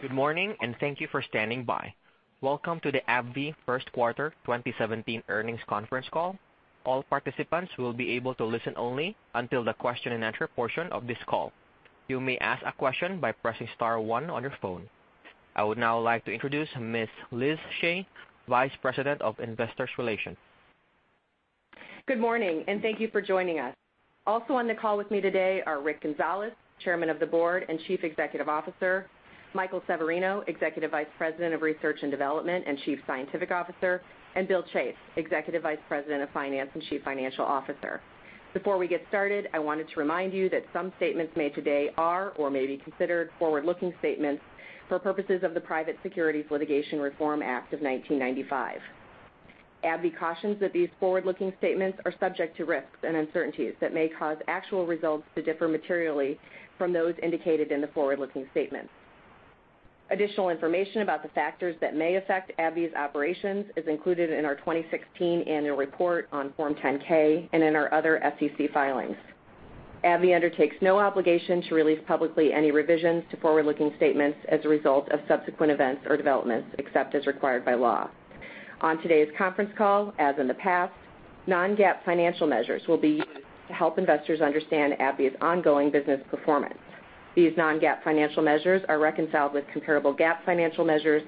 Good morning, thank you for standing by. Welcome to the AbbVie First Quarter 2017 Earnings Conference Call. All participants will be able to listen only until the question and answer portion of this call. You may ask a question by pressing star one on your phone. I would now like to introduce Ms. Liz Shea, Vice President of Investor Relations. Good morning, thank you for joining us. Also on the call with me today are Rick Gonzalez, Chairman of the Board and Chief Executive Officer, Michael Severino, Executive Vice President of Research and Development and Chief Scientific Officer, and Bill Chase, Executive Vice President of Finance and Chief Financial Officer. Before we get started, I wanted to remind you that some statements made today are or may be considered forward-looking statements for purposes of the Private Securities Litigation Reform Act of 1995. AbbVie cautions that these forward-looking statements are subject to risks and uncertainties that may cause actual results to differ materially from those indicated in the forward-looking statements. Additional information about the factors that may affect AbbVie's operations is included in our 2016 annual report on Form 10-K and in our other SEC filings. AbbVie undertakes no obligation to release publicly any revisions to forward-looking statements as a result of subsequent events or developments, except as required by law. On today's conference call, as in the past, non-GAAP financial measures will be used to help investors understand AbbVie's ongoing business performance. These non-GAAP financial measures are reconciled with comparable GAAP financial measures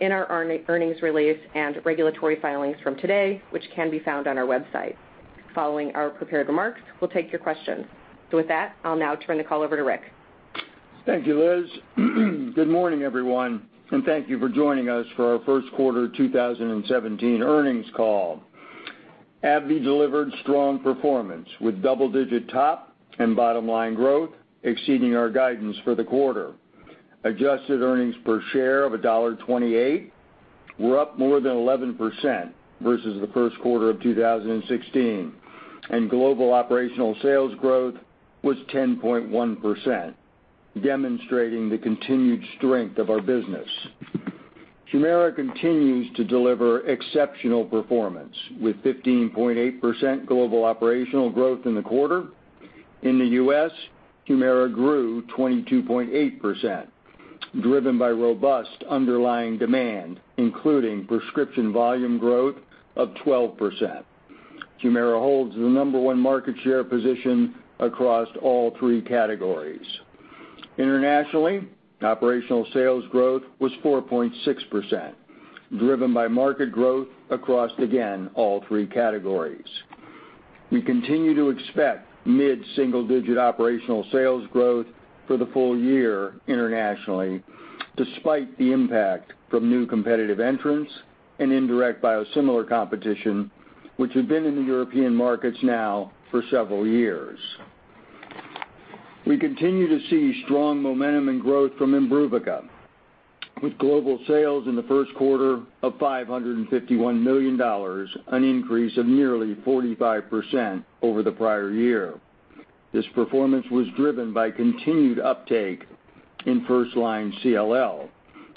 in our earnings release and regulatory filings from today, which can be found on our website. Following our prepared remarks, we'll take your questions. With that, I'll now turn the call over to Rick. Thank you, Liz. Good morning, everyone, thank you for joining us for our first quarter 2017 earnings call. AbbVie delivered strong performance, with double-digit top and bottom-line growth exceeding our guidance for the quarter. Adjusted earnings per share of $1.28 were up more than 11% versus the first quarter of 2016, and global operational sales growth was 10.1%, demonstrating the continued strength of our business. Humira continues to deliver exceptional performance, with 15.8% global operational growth in the quarter. In the U.S., Humira grew 22.8%, driven by robust underlying demand, including prescription volume growth of 12%. Humira holds the number 1 market share position across all three categories. Internationally, operational sales growth was 4.6%, driven by market growth across, again, all three categories. We continue to expect mid-single-digit operational sales growth for the full year internationally, despite the impact from new competitive entrants and indirect biosimilar competition, which had been in the European markets now for several years. We continue to see strong momentum and growth from IMBRUVICA, with global sales in the first quarter of $551 million, an increase of nearly 45% over the prior year. This performance was driven by continued uptake in first-line CLL,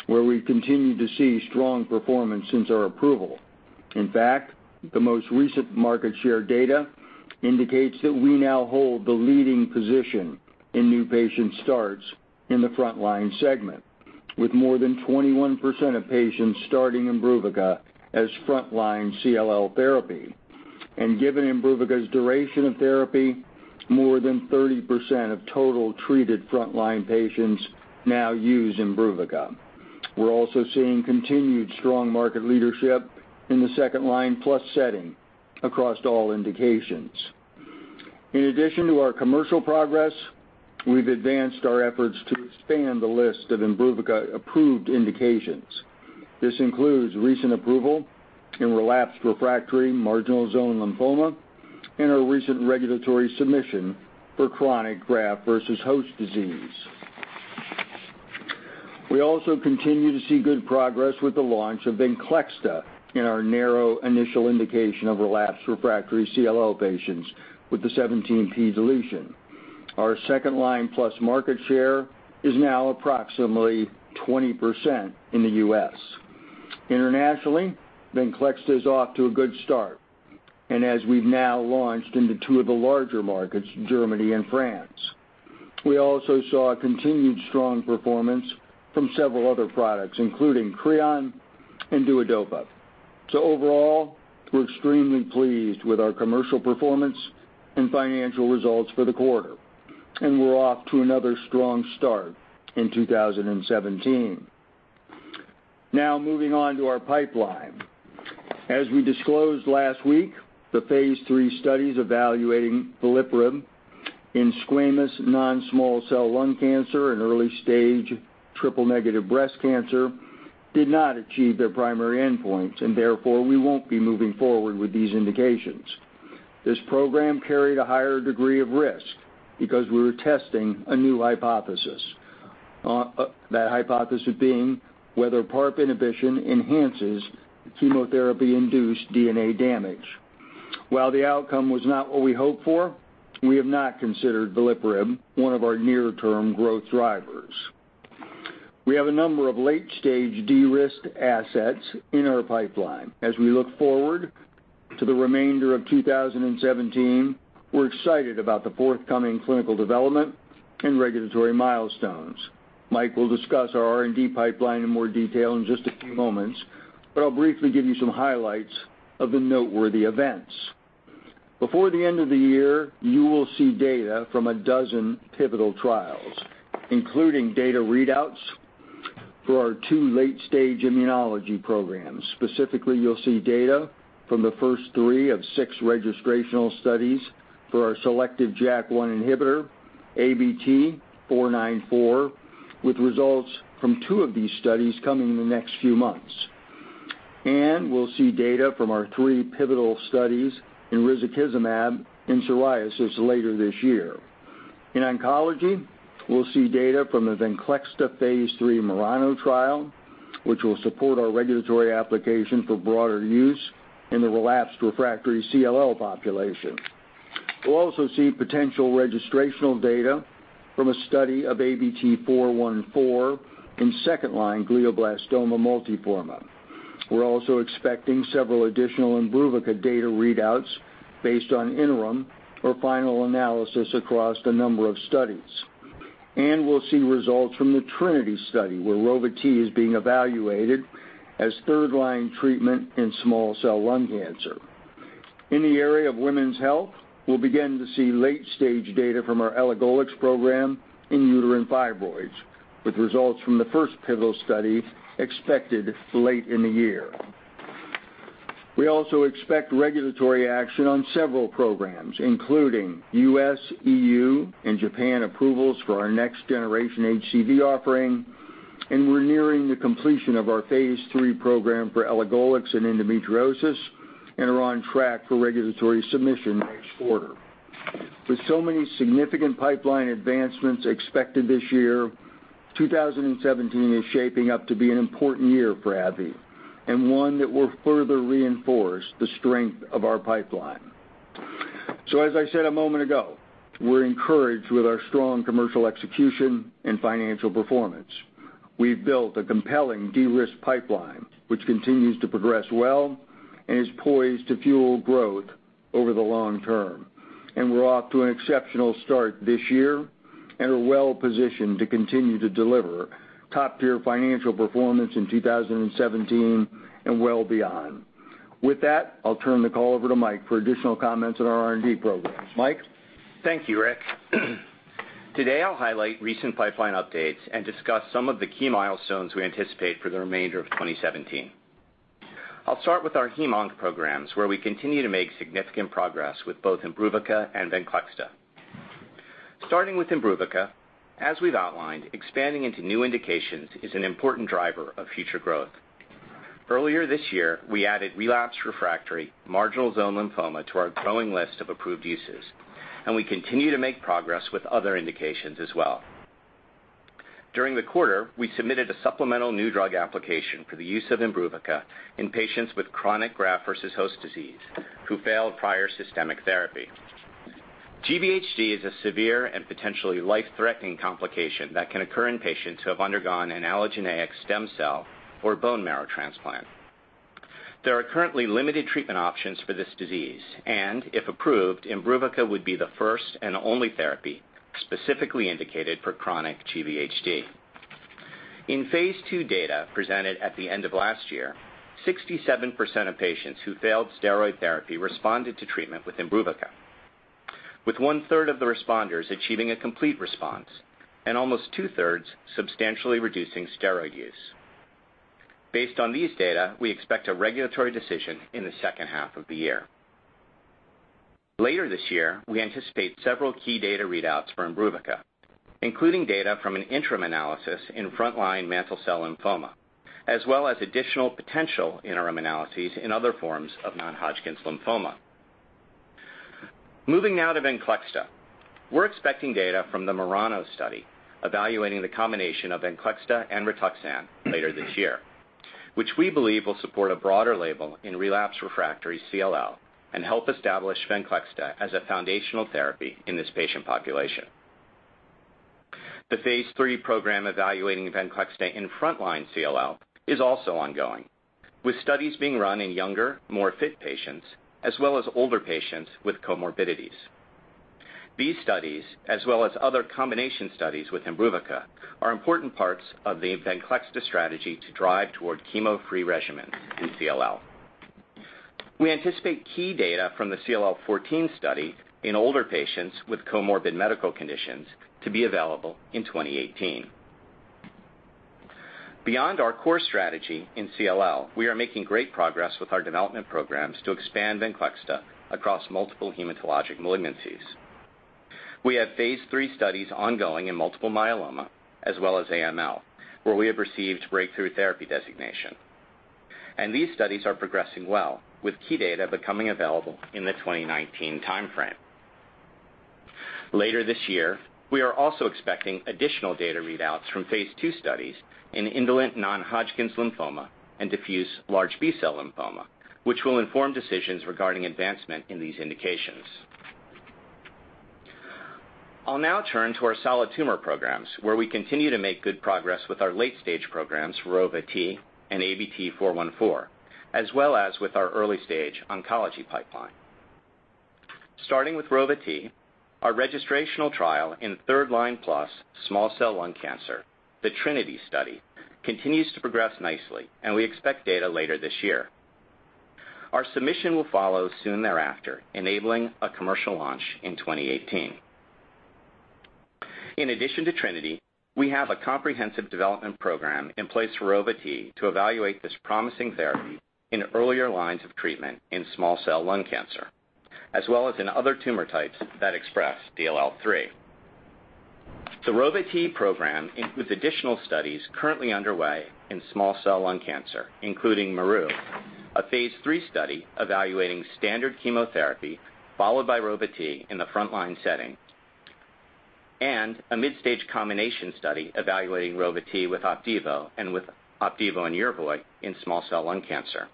where we've continued to see strong performance since our approval. In fact, the most recent market share data indicates that we now hold the leading position in new patient starts in the front-line segment, with more than 21% of patients starting IMBRUVICA as front-line CLL therapy. Given IMBRUVICA's duration of therapy, more than 30% of total treated front-line patients now use IMBRUVICA. We're also seeing continued strong market leadership in the second-line plus setting across all indications. In addition to our commercial progress, we've advanced our efforts to expand the list of IMBRUVICA approved indications. This includes recent approval in relapsed refractory marginal zone lymphoma and our recent regulatory submission for chronic graft versus host disease. We also continue to see good progress with the launch of VENCLEXTA in our narrow initial indication of relapsed refractory CLL patients with the 17p deletion. Our second-line plus market share is now approximately 20% in the U.S. Internationally, VENCLEXTA is off to a good start, and as we've now launched into two of the larger markets, Germany and France. We also saw a continued strong performance from several other products, including CREON and DUODOPA. Overall, we're extremely pleased with our commercial performance and financial results for the quarter, and we're off to another strong start in 2017. Now, moving on to our pipeline. As we disclosed last week, the phase III studies evaluating veliparib in squamous non-small cell lung cancer and early stage triple negative breast cancer did not achieve their primary endpoints, therefore, we won't be moving forward with these indications. This program carried a higher degree of risk because we were testing a new hypothesis. That hypothesis being whether PARP inhibition enhances chemotherapy-induced DNA damage. While the outcome was not what we hoped for, we have not considered veliparib one of our near-term growth drivers. We have a number of late-stage de-risked assets in our pipeline as we look forward To the remainder of 2017, we're excited about the forthcoming clinical development and regulatory milestones. Mike will discuss our R&D pipeline in more detail in just a few moments, but I'll briefly give you some highlights of the noteworthy events. Before the end of the year, you will see data from a dozen pivotal trials, including data readouts for our two late-stage immunology programs. Specifically, you'll see data from the first three of six registrational studies for our selective JAK1 inhibitor, ABT-494, with results from two of these studies coming in the next few months. We'll see data from our three pivotal studies in risankizumab in psoriasis later this year. In oncology, we'll see data from the VENCLEXTA phase III MURANO trial, which will support our regulatory application for broader use in the relapsed/refractory CLL population. We'll also see potential registrational data from a study of ABT-414 in second-line glioblastoma multiforme. We're also expecting several additional IMBRUVICA data readouts based on interim or final analysis across a number of studies. We'll see results from the TRINITY study, where Rova-T is being evaluated as third-line treatment in small cell lung cancer. In the area of women's health, we'll begin to see late-stage data from our elagolix program in uterine fibroids, with results from the first pivotal study expected late in the year. We also expect regulatory action on several programs, including U.S., EU, and Japan approvals for our next-generation HCV offering, and we're nearing the completion of our phase III program for elagolix in endometriosis, and are on track for regulatory submission next quarter. With so many significant pipeline advancements expected this year, 2017 is shaping up to be an important year for AbbVie, and one that will further reinforce the strength of our pipeline. As I said a moment ago, we're encouraged with our strong commercial execution and financial performance. We've built a compelling de-risked pipeline which continues to progress well and is poised to fuel growth over the long term, and we're off to an exceptional start this year and are well-positioned to continue to deliver top-tier financial performance in 2017 and well beyond. With that, I'll turn the call over to Mike for additional comments on our R&D programs. Mike? Thank you, Rick. Today I'll highlight recent pipeline updates and discuss some of the key milestones we anticipate for the remainder of 2017. I'll start with our hemonc programs, where we continue to make significant progress with both IMBRUVICA and VENCLEXTA. Starting with IMBRUVICA, as we've outlined, expanding into new indications is an important driver of future growth. Earlier this year, we added relapsed/refractory marginal zone lymphoma to our growing list of approved uses, and we continue to make progress with other indications as well. During the quarter, we submitted a supplemental new drug application for the use of IMBRUVICA in patients with chronic graft versus host disease who failed prior systemic therapy. GVHD is a severe and potentially life-threatening complication that can occur in patients who have undergone an allogeneic stem cell or bone marrow transplant. There are currently limited treatment options for this disease. If approved, IMBRUVICA would be the first and only therapy specifically indicated for chronic GVHD. In phase II data presented at the end of last year, 67% of patients who failed steroid therapy responded to treatment with IMBRUVICA, with one-third of the responders achieving a complete response and almost two-thirds substantially reducing steroid use. Based on these data, we expect a regulatory decision in the second half of the year. Later this year, we anticipate several key data readouts for IMBRUVICA, including data from an interim analysis in front-line mantle cell lymphoma, as well as additional potential interim analyses in other forms of non-Hodgkin's lymphoma. Moving now to VENCLEXTA. We're expecting data from the MURANO study evaluating the combination of VENCLEXTA and rituximab later this year, which we believe will support a broader label in relapsed/refractory CLL and help establish VENCLEXTA as a foundational therapy in this patient population. The phase III program evaluating VENCLEXTA in front-line CLL is also ongoing, with studies being run in younger, more fit patients as well as older patients with comorbidities. These studies, as well as other combination studies with IMBRUVICA, are important parts of the VENCLEXTA strategy to drive toward chemo-free regimens in CLL. We anticipate key data from the CLL14 study in older patients with comorbid medical conditions to be available in 2018. Beyond our core strategy in CLL, we are making great progress with our development programs to expand VENCLEXTA across multiple hematologic malignancies. We have phase III studies ongoing in multiple myeloma as well as AML, where we have received breakthrough therapy designation. These studies are progressing well, with key data becoming available in the 2019 timeframe. Later this year, we are also expecting additional data readouts from phase II studies in indolent non-Hodgkin's lymphoma and diffuse large B-cell lymphoma, which will inform decisions regarding advancement in these indications. I'll now turn to our solid tumor programs, where we continue to make good progress with our late-stage programs, Rova-T and ABT-414, as well as with our early-stage oncology pipeline. Starting with Rova-T, our registrational trial in third-line plus small cell lung cancer, the TRINITY study, continues to progress nicely, and we expect data later this year. Our submission will follow soon thereafter, enabling a commercial launch in 2018. In addition to TRINITY, we have a comprehensive development program in place for Rova-T to evaluate this promising therapy in earlier lines of treatment in small cell lung cancer, as well as in other tumor types that express DLL3. The Rova-T program, with additional studies currently underway in small cell lung cancer, including MERU, a phase III study evaluating standard chemotherapy followed by Rova-T in the frontline setting, and a mid-stage combination study evaluating Rova-T with Opdivo and with Opdivo and Yervoy in small cell lung cancer.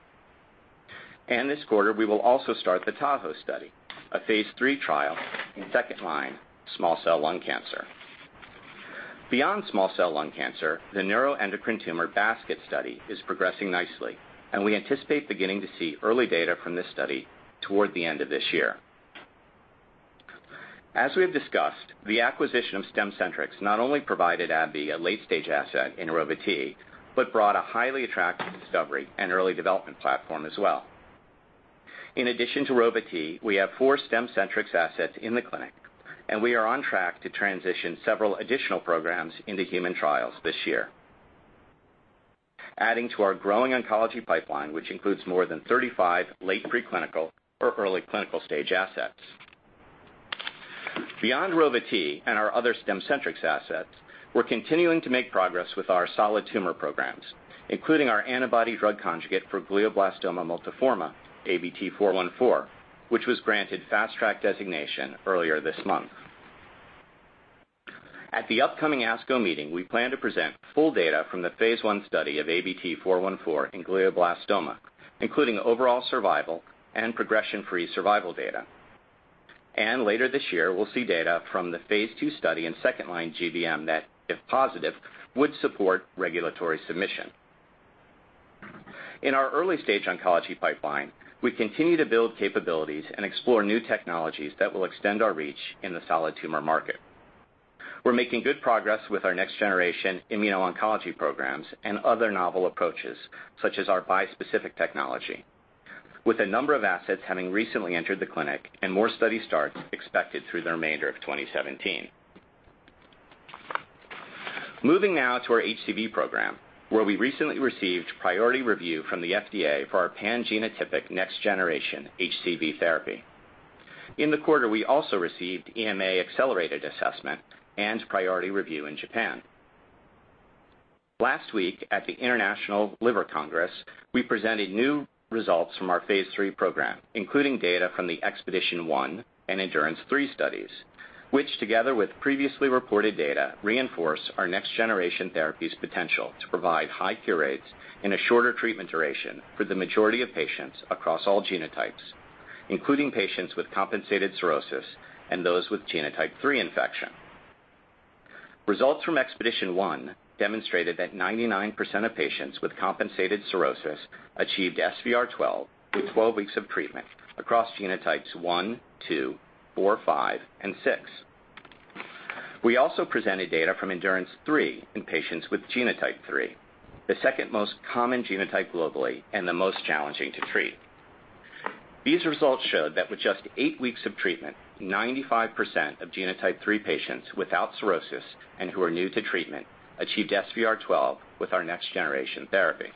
This quarter, we will also start the TAHOE study, a phase III trial in second-line small cell lung cancer. Beyond small cell lung cancer, the neuroendocrine tumor basket study is progressing nicely, and we anticipate beginning to see early data from this study toward the end of this year. As we have discussed, the acquisition of Stemcentrx not only provided AbbVie a late-stage asset in Rova-T, but brought a highly attractive discovery and early development platform as well. In addition to Rova-T, we have four Stemcentrx assets in the clinic, and we are on track to transition several additional programs into human trials this year, adding to our growing oncology pipeline, which includes more than 35 late preclinical or early clinical-stage assets. Beyond Rova-T and our other Stemcentrx assets, we're continuing to make progress with our solid tumor programs, including our antibody drug conjugate for glioblastoma multiforme, ABT-414, which was granted Fast Track designation earlier this month. At the upcoming ASCO meeting, we plan to present full data from the phase I study of ABT-414 in glioblastoma, including overall survival and progression-free survival data. Later this year, we'll see data from the phase II study in second-line GBM that, if positive, would support regulatory submission. In our early-stage oncology pipeline, we continue to build capabilities and explore new technologies that will extend our reach in the solid tumor market. We're making good progress with our next-generation immuno-oncology programs and other novel approaches such as our bispecific technology, with a number of assets having recently entered the clinic and more study starts expected through the remainder of 2017. Moving now to our HCV program, where we recently received priority review from the FDA for our pangenotypic next-generation HCV therapy. In the quarter, we also received EMA accelerated assessment and priority review in Japan. Last week at The International Liver Congress, we presented new results from our phase III program, including data from the EXPEDITION-1 and ENDURANCE-3 studies, which together with previously reported data, reinforce our next-generation therapy's potential to provide high cure rates and a shorter treatment duration for the majority of patients across all genotypes, including patients with compensated cirrhosis and those with genotype 3 infection. Results from EXPEDITION-1 demonstrated that 99% of patients with compensated cirrhosis achieved SVR12 with 12 weeks of treatment across genotypes 1, 2, 4, 5, and 6. We also presented data from ENDURANCE-3 in patients with genotype 3, the second most common genotype globally and the most challenging to treat. These results showed that with just eight weeks of treatment, 95% of genotype 3 patients without cirrhosis and who are new to treatment achieved SVR12 with our next-generation therapy.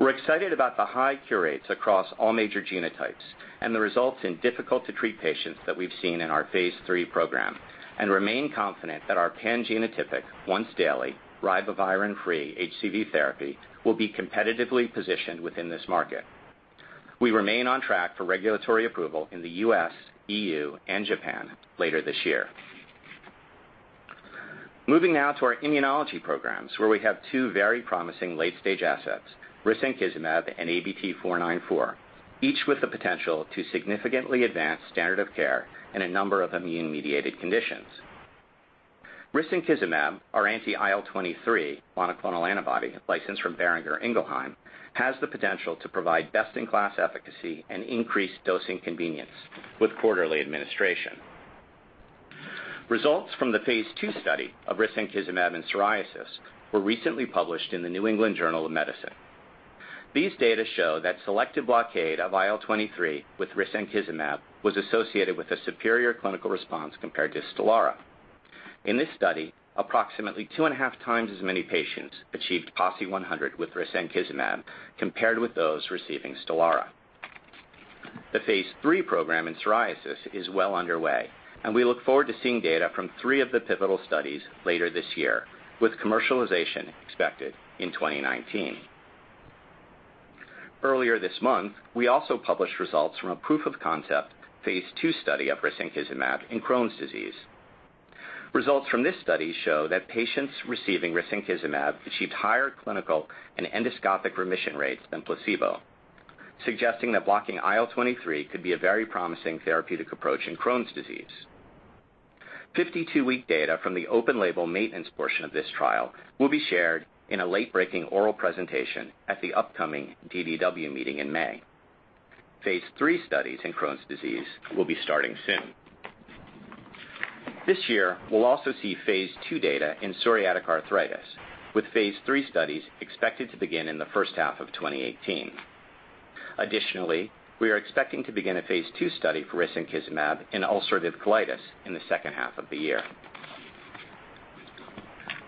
We're excited about the high cure rates across all major genotypes and the results in difficult to treat patients that we've seen in our phase III program and remain confident that our pangenotypic once-daily ribavirin-free HCV therapy will be competitively positioned within this market. We remain on track for regulatory approval in the U.S., EU, and Japan later this year. Moving now to our immunology programs, where we have two very promising late-stage assets, risankizumab and ABT-494, each with the potential to significantly advance standard of care in a number of immune-mediated conditions. Risankizumab, our anti-IL-23 monoclonal antibody licensed from Boehringer Ingelheim, has the potential to provide best-in-class efficacy and increased dosing convenience with quarterly administration. Results from the phase II study of risankizumab in psoriasis were recently published in the "New England Journal of Medicine." These data show that selective blockade of IL-23 with risankizumab was associated with a superior clinical response compared to STELARA. In this study, approximately two and a half times as many patients achieved PASI 100 with risankizumab compared with those receiving STELARA. The phase III program in psoriasis is well underway, and we look forward to seeing data from three of the pivotal studies later this year, with commercialization expected in 2019. Earlier this month, we also published results from a proof-of-concept phase II study of risankizumab in Crohn's disease. Results from this study show that patients receiving risankizumab achieved higher clinical and endoscopic remission rates than placebo, suggesting that blocking IL-23 could be a very promising therapeutic approach in Crohn's disease. 52-week data from the open label maintenance portion of this trial will be shared in a late-breaking oral presentation at the upcoming DDW meeting in May. Phase III studies in Crohn's disease will be starting soon. This year, we'll also see phase II data in psoriatic arthritis, with phase III studies expected to begin in the first half of 2018. Additionally, we are expecting to begin a phase II study for risankizumab in ulcerative colitis in the second half of the year.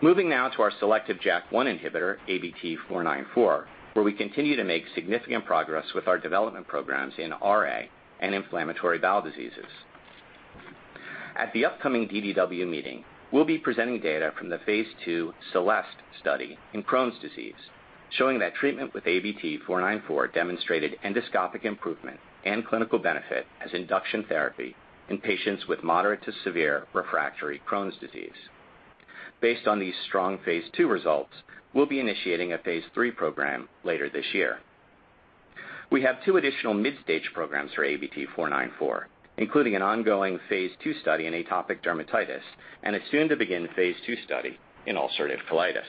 Moving now to our selective JAK1 inhibitor, ABT-494, where we continue to make significant progress with our development programs in RA and inflammatory bowel diseases. At the upcoming DDW meeting, we'll be presenting data from the phase II CELEST study in Crohn's disease, showing that treatment with ABT-494 demonstrated endoscopic improvement and clinical benefit as induction therapy in patients with moderate to severe refractory Crohn's disease. Based on these strong phase II results, we'll be initiating a phase III program later this year. We have two additional mid-stage programs for ABT-494, including an ongoing phase II study in atopic dermatitis, and a soon-to-begin phase II study in ulcerative colitis.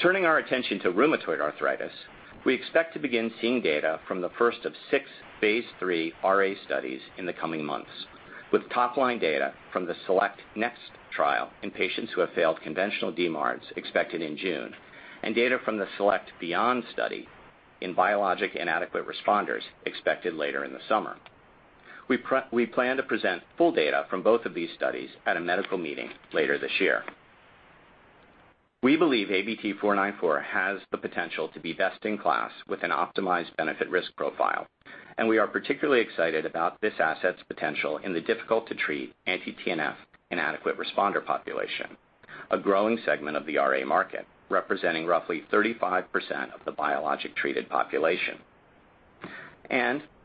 Turning our attention to rheumatoid arthritis, we expect to begin seeing data from the first of six phase III RA studies in the coming months, with top line data from the SELECT-NEXT trial in patients who have failed conventional DMARDs expected in June, and data from the SELECT-BEYOND study in biologic inadequate responders expected later in the summer. We plan to present full data from both of these studies at a medical meeting later this year. We believe ABT-494 has the potential to be best in class with an optimized benefit risk profile, we are particularly excited about this asset's potential in the difficult-to-treat anti-TNF inadequate responder population, a growing segment of the RA market, representing roughly 35% of the biologic-treated population.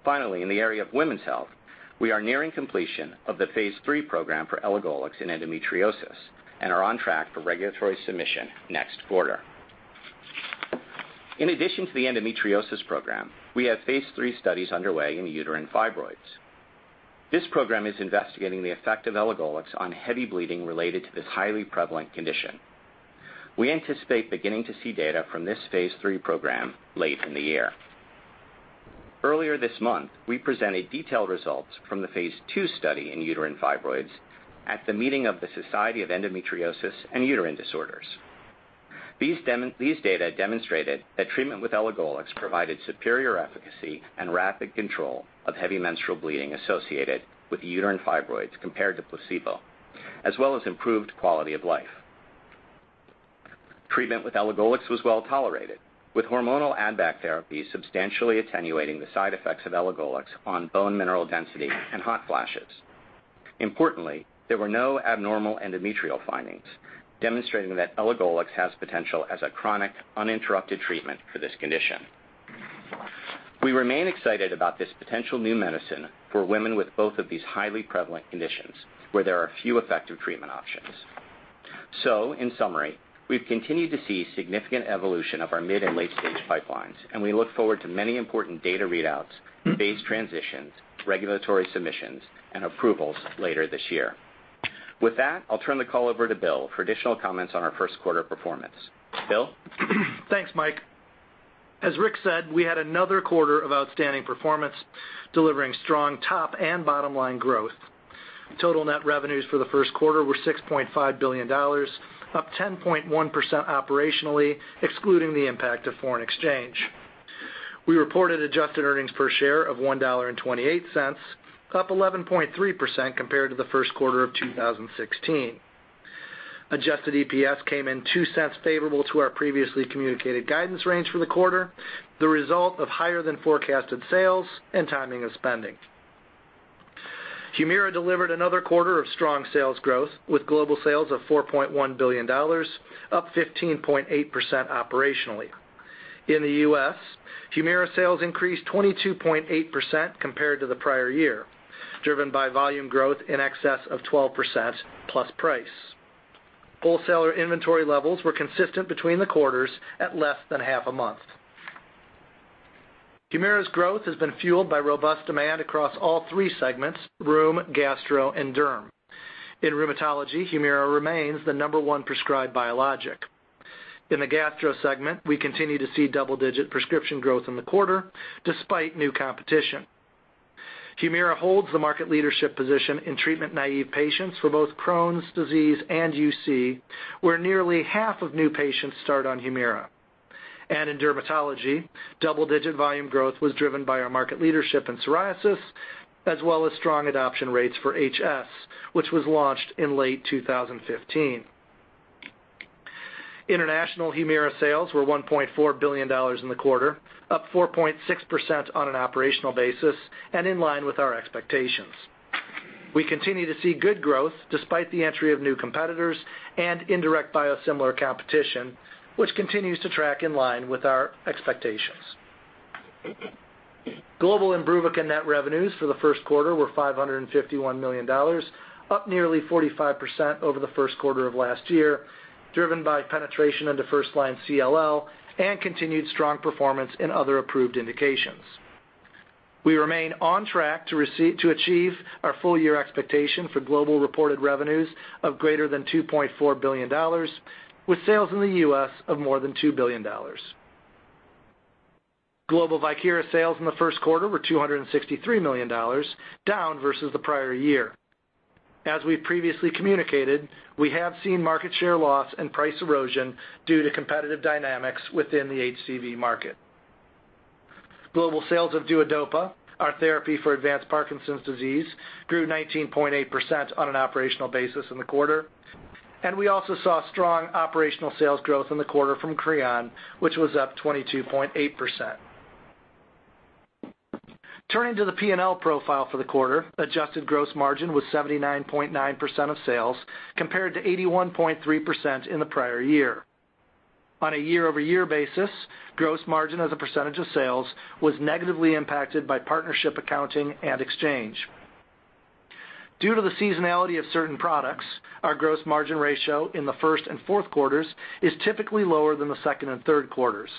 Finally, in the area of women's health, we are nearing completion of the phase III program for elagolix in endometriosis, and are on track for regulatory submission next quarter. In addition to the endometriosis program, we have phase III studies underway in uterine fibroids. This program is investigating the effect of elagolix on heavy bleeding related to this highly prevalent condition. We anticipate beginning to see data from this phase III program late in the year. Earlier this month, we presented detailed results from the phase II study in uterine fibroids at the meeting of the Society of Endometriosis and Uterine Disorders. These data demonstrated that treatment with elagolix provided superior efficacy and rapid control of heavy menstrual bleeding associated with uterine fibroids compared to placebo, as well as improved quality of life. Treatment with elagolix was well-tolerated, with hormonal add-back therapy substantially attenuating the side effects of elagolix on bone mineral density and hot flashes. Importantly, there were no abnormal endometrial findings, demonstrating that elagolix has potential as a chronic, uninterrupted treatment for this condition. We remain excited about this potential new medicine for women with both of these highly prevalent conditions, where there are few effective treatment options. In summary, we've continued to see significant evolution of our mid and late-stage pipelines, and we look forward to many important data readouts, phase transitions, regulatory submissions, and approvals later this year. With that, I'll turn the call over to Bill for additional comments on our first quarter performance. Bill? Thanks, Mike. As Rick said, we had another quarter of outstanding performance, delivering strong top and bottom-line growth. Total net revenues for the first quarter were $6.5 billion, up 10.1% operationally, excluding the impact of foreign exchange. We reported adjusted earnings per share of $1.28, up 11.3% compared to the first quarter of 2016. Adjusted EPS came in $0.02 favorable to our previously communicated guidance range for the quarter, the result of higher than forecasted sales and timing of spending. Humira delivered another quarter of strong sales growth, with global sales of $4.1 billion, up 15.8% operationally. In the U.S., Humira sales increased 22.8% compared to the prior year, driven by volume growth in excess of 12% plus price. Wholesaler inventory levels were consistent between the quarters at less than half a month. Humira's growth has been fueled by robust demand across all three segments, rheum, gastro, and derm. In rheumatology, Humira remains the number 1 prescribed biologic. In the gastro segment, we continue to see double-digit prescription growth in the quarter despite new competition. Humira holds the market leadership position in treatment-naive patients for both Crohn's disease and UC, where nearly half of new patients start on Humira. In dermatology, double-digit volume growth was driven by our market leadership in psoriasis, as well as strong adoption rates for HS, which was launched in late 2015. International Humira sales were $1.4 billion in the quarter, up 4.6% on an operational basis, in line with our expectations. We continue to see good growth despite the entry of new competitors and indirect biosimilar competition, which continues to track in line with our expectations. Global IMBRUVICA net revenues for the first quarter were $551 million, up nearly 45% over the first quarter of last year, driven by penetration into first-line CLL and continued strong performance in other approved indications. We remain on track to achieve our full-year expectation for global reported revenues of greater than $2.4 billion, with sales in the U.S. of more than $2 billion. Global VIEKIRA sales in the first quarter were $263 million, down versus the prior year. As we previously communicated, we have seen market share loss and price erosion due to competitive dynamics within the HCV market. Global sales of DUODOPA, our therapy for advanced Parkinson's disease, grew 19.8% on an operational basis in the quarter, and we also saw strong operational sales growth in the quarter from CREON, which was up 22.8%. Turning to the P&L profile for the quarter, adjusted gross margin was 79.9% of sales, compared to 81.3% in the prior year. On a year-over-year basis, gross margin as a percentage of sales was negatively impacted by partnership accounting and exchange. Due to the seasonality of certain products, our gross margin ratio in the first and fourth quarters is typically lower than the second and third quarters.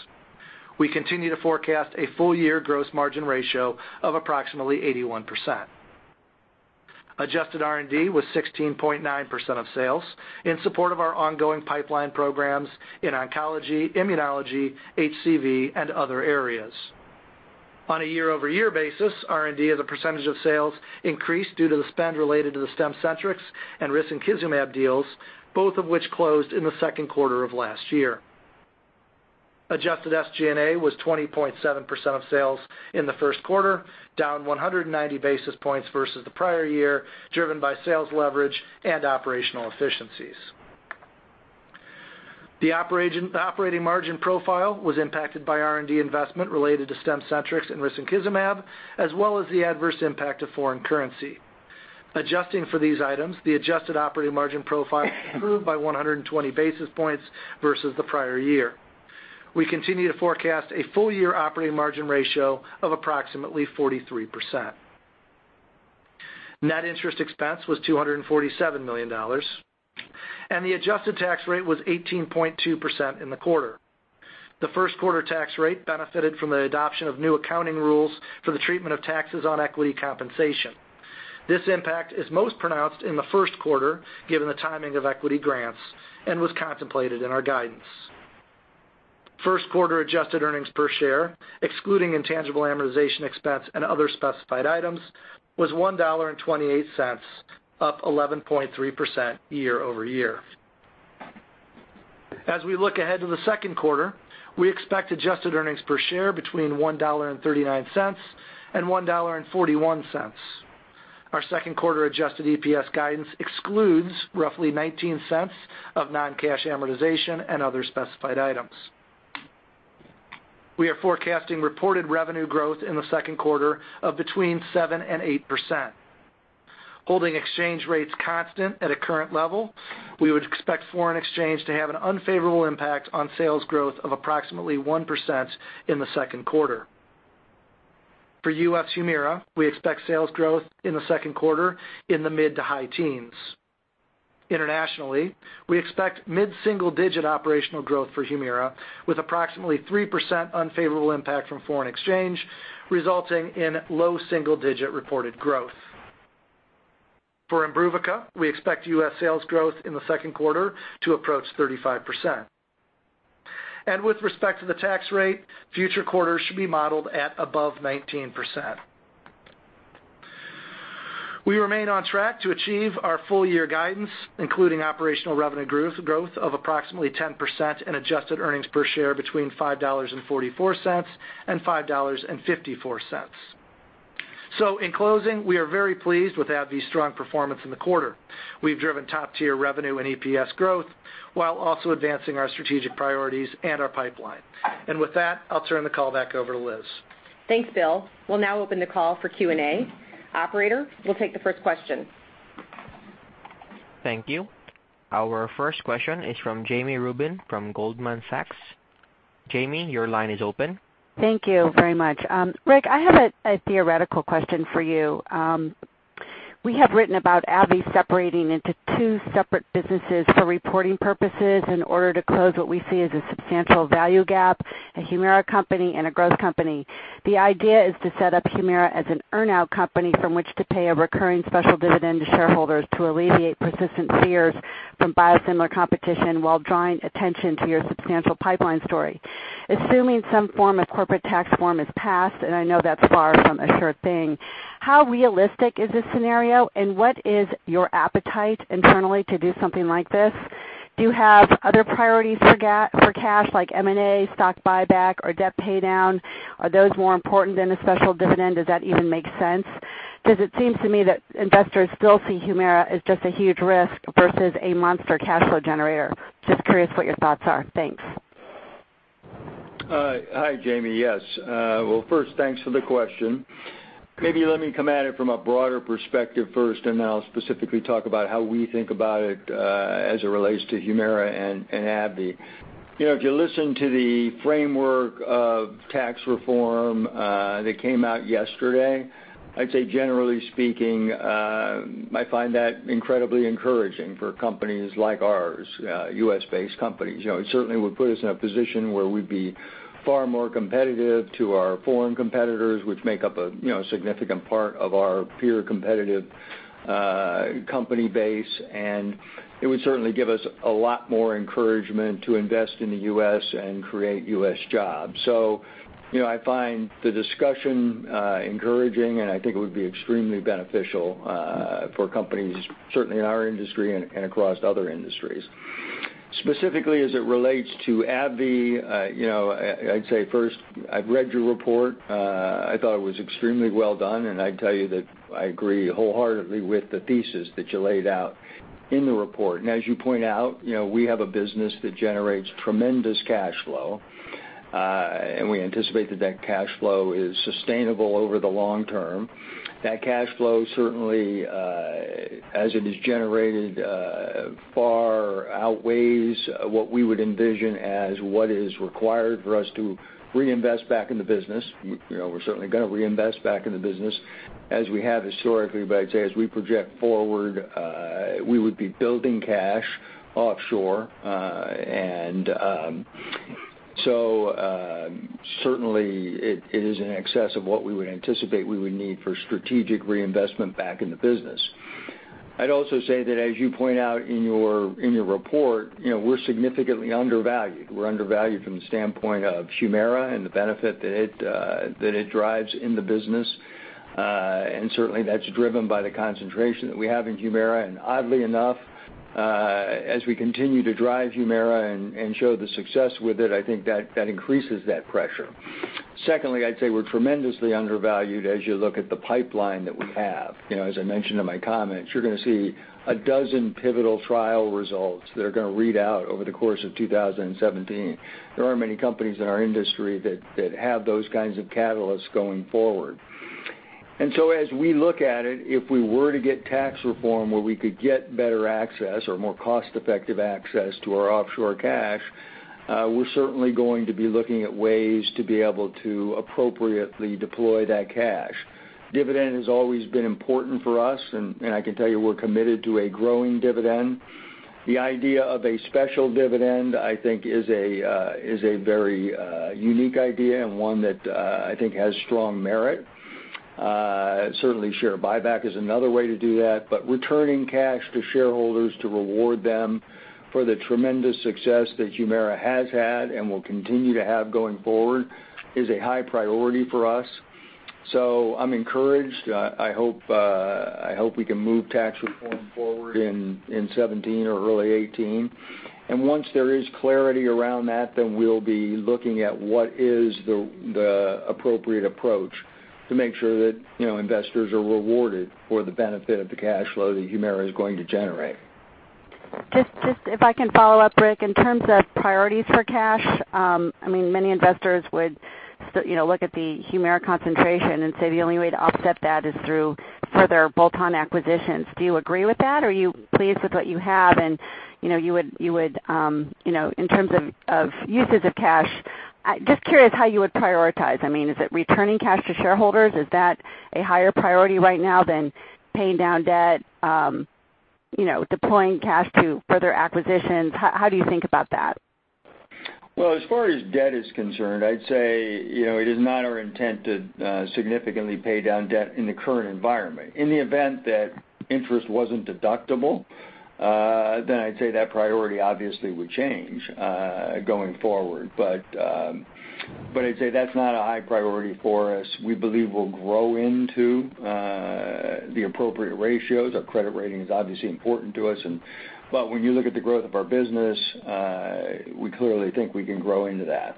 We continue to forecast a full-year gross margin ratio of approximately 81%. Adjusted R&D was 16.9% of sales in support of our ongoing pipeline programs in oncology, immunology, HCV, and other areas. On a year-over-year basis, R&D as a percentage of sales increased due to the spend related to the Stemcentrx and risankizumab deals, both of which closed in the second quarter of last year. Adjusted SG&A was 20.7% of sales in the first quarter, down 190 basis points versus the prior year, driven by sales leverage and operational efficiencies. The operating margin profile was impacted by R&D investment related to Stemcentrx and risankizumab, as well as the adverse impact of foreign currency. Adjusting for these items, the adjusted operating margin profile improved by 120 basis points versus the prior year. We continue to forecast a full-year operating margin ratio of approximately 43%. Net interest expense was $247 million, and the adjusted tax rate was 18.2% in the quarter. The first quarter tax rate benefited from the adoption of new accounting rules for the treatment of taxes on equity compensation. This impact is most pronounced in the first quarter, given the timing of equity grants, and was contemplated in our guidance. First quarter adjusted earnings per share, excluding intangible amortization expense and other specified items, was $1.28, up 11.3% year-over-year. As we look ahead to the second quarter, we expect adjusted earnings per share between $1.39 and $1.41. Our second quarter adjusted EPS guidance excludes roughly $0.19 of non-cash amortization and other specified items. We are forecasting reported revenue growth in the second quarter of between 7% and 8%. Holding exchange rates constant at a current level, we would expect foreign exchange to have an unfavorable impact on sales growth of approximately 1% in the second quarter. For U.S. Humira, we expect sales growth in the second quarter in the mid to high teens. Internationally, we expect mid-single-digit operational growth for Humira, with approximately 3% unfavorable impact from foreign exchange, resulting in low single-digit reported growth. For IMBRUVICA, we expect U.S. sales growth in the second quarter to approach 35%. With respect to the tax rate, future quarters should be modeled at above 19%. We remain on track to achieve our full-year guidance, including operational revenue growth of approximately 10% and adjusted earnings per share between $5.44 and $5.54. In closing, we are very pleased with AbbVie's strong performance in the quarter. We've driven top-tier revenue and EPS growth while also advancing our strategic priorities and our pipeline. With that, I'll turn the call back over to Liz. Thanks, Bill. We'll now open the call for Q&A. Operator, we'll take the first question. Thank you. Our first question is from Jami Rubin from Goldman Sachs. Jami, your line is open. Thank you very much. Rick, I have a theoretical question for you. We have written about AbbVie separating into two separate businesses for reporting purposes in order to close what we see as a substantial value gap, a Humira company and a growth company. The idea is to set up Humira as an earn-out company from which to pay a recurring special dividend to shareholders to alleviate persistent fears from biosimilar competition while drawing attention to your substantial pipeline story. Assuming some form of corporate tax form is passed, I know that's far from a sure thing, how realistic is this scenario, and what is your appetite internally to do something like this? Do you have other priorities for cash, like M&A, stock buyback, or debt paydown? Are those more important than a special dividend? Does that even make sense? It seems to me that investors still see Humira as just a huge risk versus a monster cash flow generator. Just curious what your thoughts are. Thanks. Hi, Jami. Yes. First, thanks for the question Maybe let me come at it from a broader perspective first, and then I'll specifically talk about how we think about it as it relates to Humira and AbbVie. If you listen to the framework of tax reform that came out yesterday, I'd say generally speaking, I find that incredibly encouraging for companies like ours, U.S.-based companies. It certainly would put us in a position where we'd be far more competitive to our foreign competitors, which make up a significant part of our peer competitive company base, and it would certainly give us a lot more encouragement to invest in the U.S. and create U.S. jobs. I find the discussion encouraging, and I think it would be extremely beneficial for companies, certainly in our industry and across other industries. Specifically as it relates to AbbVie, I'd say first, I've read your report. I thought it was extremely well done, and I'd tell you that I agree wholeheartedly with the thesis that you laid out in the report. As you point out, we have a business that generates tremendous cash flow, and we anticipate that that cash flow is sustainable over the long term. That cash flow certainly, as it is generated, far outweighs what we would envision as what is required for us to reinvest back in the business. We're certainly going to reinvest back in the business, as we have historically, but I'd say as we project forward, we would be building cash offshore. Certainly it is in excess of what we would anticipate we would need for strategic reinvestment back in the business. I'd also say that as you point out in your report, we're significantly undervalued. We're undervalued from the standpoint of Humira and the benefit that it drives in the business. Certainly that's driven by the concentration that we have in Humira, and oddly enough, as we continue to drive Humira and show the success with it, I think that increases that pressure. Secondly, I'd say we're tremendously undervalued as you look at the pipeline that we have. As I mentioned in my comments, you're going to see 12 pivotal trial results that are going to read out over the course of 2017. There aren't many companies in our industry that have those kinds of catalysts going forward. As we look at it, if we were to get tax reform where we could get better access or more cost-effective access to our offshore cash, we're certainly going to be looking at ways to be able to appropriately deploy that cash. Dividend has always been important for us, and I can tell you we're committed to a growing dividend. The idea of a special dividend, I think is a very unique idea and one that I think has strong merit. Certainly share buyback is another way to do that, but returning cash to shareholders to reward them for the tremendous success that Humira has had and will continue to have going forward is a high priority for us. I'm encouraged. I hope we can move tax reform forward in 2017 or early 2018. Once there is clarity around that, then we'll be looking at what is the appropriate approach to make sure that investors are rewarded for the benefit of the cash flow that Humira is going to generate. Just if I can follow up, Rick, in terms of priorities for cash, many investors would look at the Humira concentration and say the only way to offset that is through further bolt-on acquisitions. Do you agree with that? Are you pleased with what you have? In terms of usage of cash, just curious how you would prioritize. Is it returning cash to shareholders? Is that a higher priority right now than paying down debt, deploying cash to further acquisitions? How do you think about that? Well, as far as debt is concerned, I'd say it is not our intent to significantly pay down debt in the current environment. In the event that interest wasn't deductible, I'd say that priority obviously would change, going forward. I'd say that's not a high priority for us. We believe we'll grow into the appropriate ratios. Our credit rating is obviously important to us, but when you look at the growth of our business, we clearly think we can grow into that.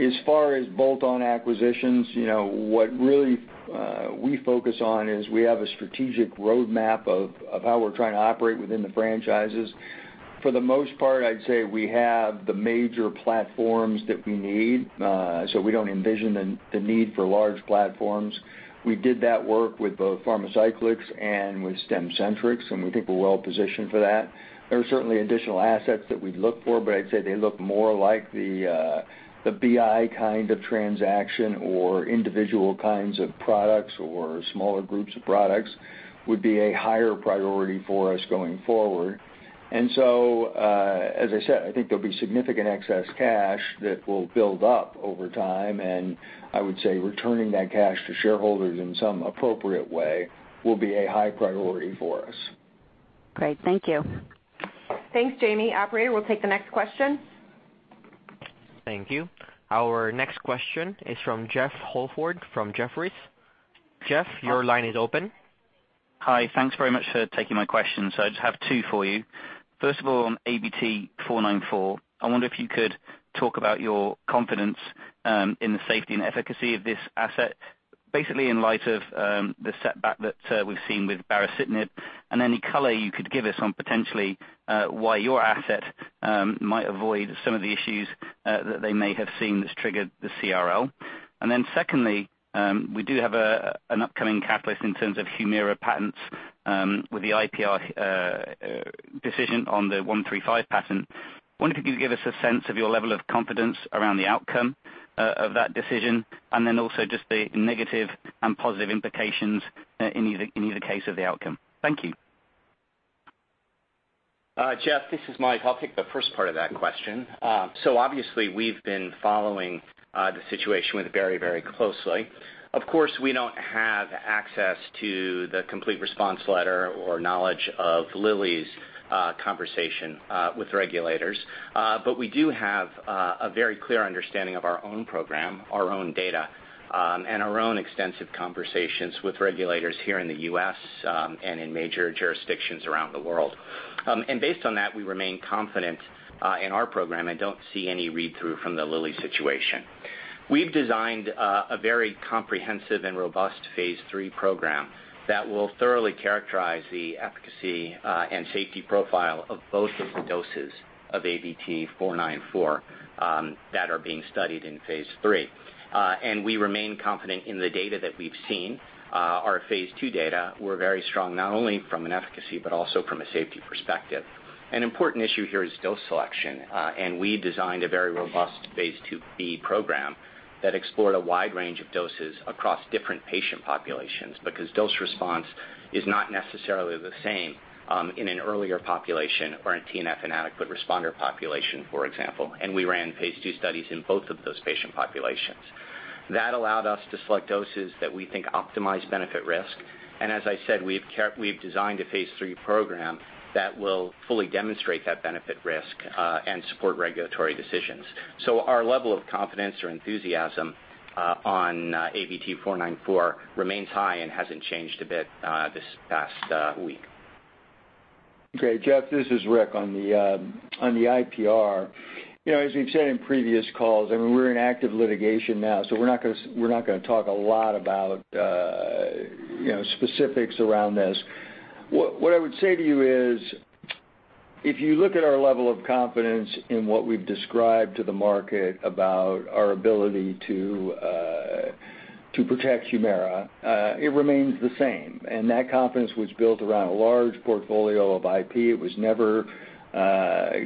As far as bolt-on acquisitions, what really we focus on is we have a strategic roadmap of how we're trying to operate within the franchises. For the most part, I'd say we have the major platforms that we need, so we don't envision the need for large platforms. We did that work with both Pharmacyclics and with Stemcentrx, and we think we're well positioned for that. There are certainly additional assets that we'd look for, but I'd say they look more like the BI kind of transaction or individual kinds of products or smaller groups of products would be a higher priority for us going forward. As I said, I think there'll be significant excess cash that will build up over time, and I would say returning that cash to shareholders in some appropriate way will be a high priority for us. Great. Thank you. Thanks, Jami. Operator, we'll take the next question. Thank you. Our next question is from Jeffrey Holford from Jefferies. Jeff, your line is open. Hi. Thanks very much for taking my question. I just have two for you. First of all, on ABT-494, I wonder if you could talk about your confidence in the safety and efficacy of this asset, basically in light of the setback that we've seen with baricitinib, and any color you could give us on potentially why your asset might avoid some of the issues that they may have seen that's triggered the CRL. Secondly, we do have an upcoming catalyst in terms of Humira patents with the IPR decision on the '135 patent. I wonder if you could give us a sense of your level of confidence around the outcome of that decision, and then also just the negative and positive implications in either case of the outcome. Thank you. Jeff, this is Mike. I'll take the first part of that question. Obviously, we've been following the situation with Bari very closely. Of course, we don't have access to the complete response letter or knowledge of Lilly's conversation with regulators. But we do have a very clear understanding of our own program, our own data, and our own extensive conversations with regulators here in the U.S., and in major jurisdictions around the world. Based on that, we remain confident in our program and don't see any read-through from the Lilly situation. We've designed a very comprehensive and robust phase III program that will thoroughly characterize the efficacy and safety profile of both of the doses of ABT-494 that are being studied in phase III. We remain confident in the data that we've seen. Our phase II data were very strong, not only from an efficacy, but also from a safety perspective. An important issue here is dose selection, we designed a very robust phase II-B program that explored a wide range of doses across different patient populations, because dose response is not necessarily the same in an earlier population or a TNF inadequate responder population, for example. We ran phase II studies in both of those patient populations. That allowed us to select doses that we think optimize benefit risk. As I said, we've designed a phase III program that will fully demonstrate that benefit risk, and support regulatory decisions. Our level of confidence or enthusiasm on ABT-494 remains high and hasn't changed a bit this past week. Okay, Jeffrey, this is Rick. On the IPR, as we've said in previous calls, we're in active litigation now, we're not going to talk a lot about specifics around this. What I would say to you is, if you look at our level of confidence in what we've described to the market about our ability to protect Humira, it remains the same. That confidence was built around a large portfolio of IP. It was never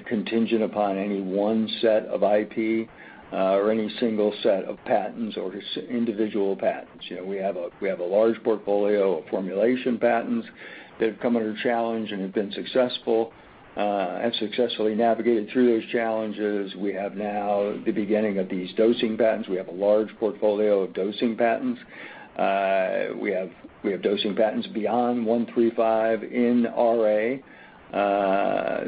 contingent upon any one set of IP or any single set of patents or individual patents. We have a large portfolio of formulation patents that have come under challenge and have been successful, and successfully navigated through those challenges. We have now the beginning of these dosing patents. We have a large portfolio of dosing patents. We have dosing patents beyond '135 in RA,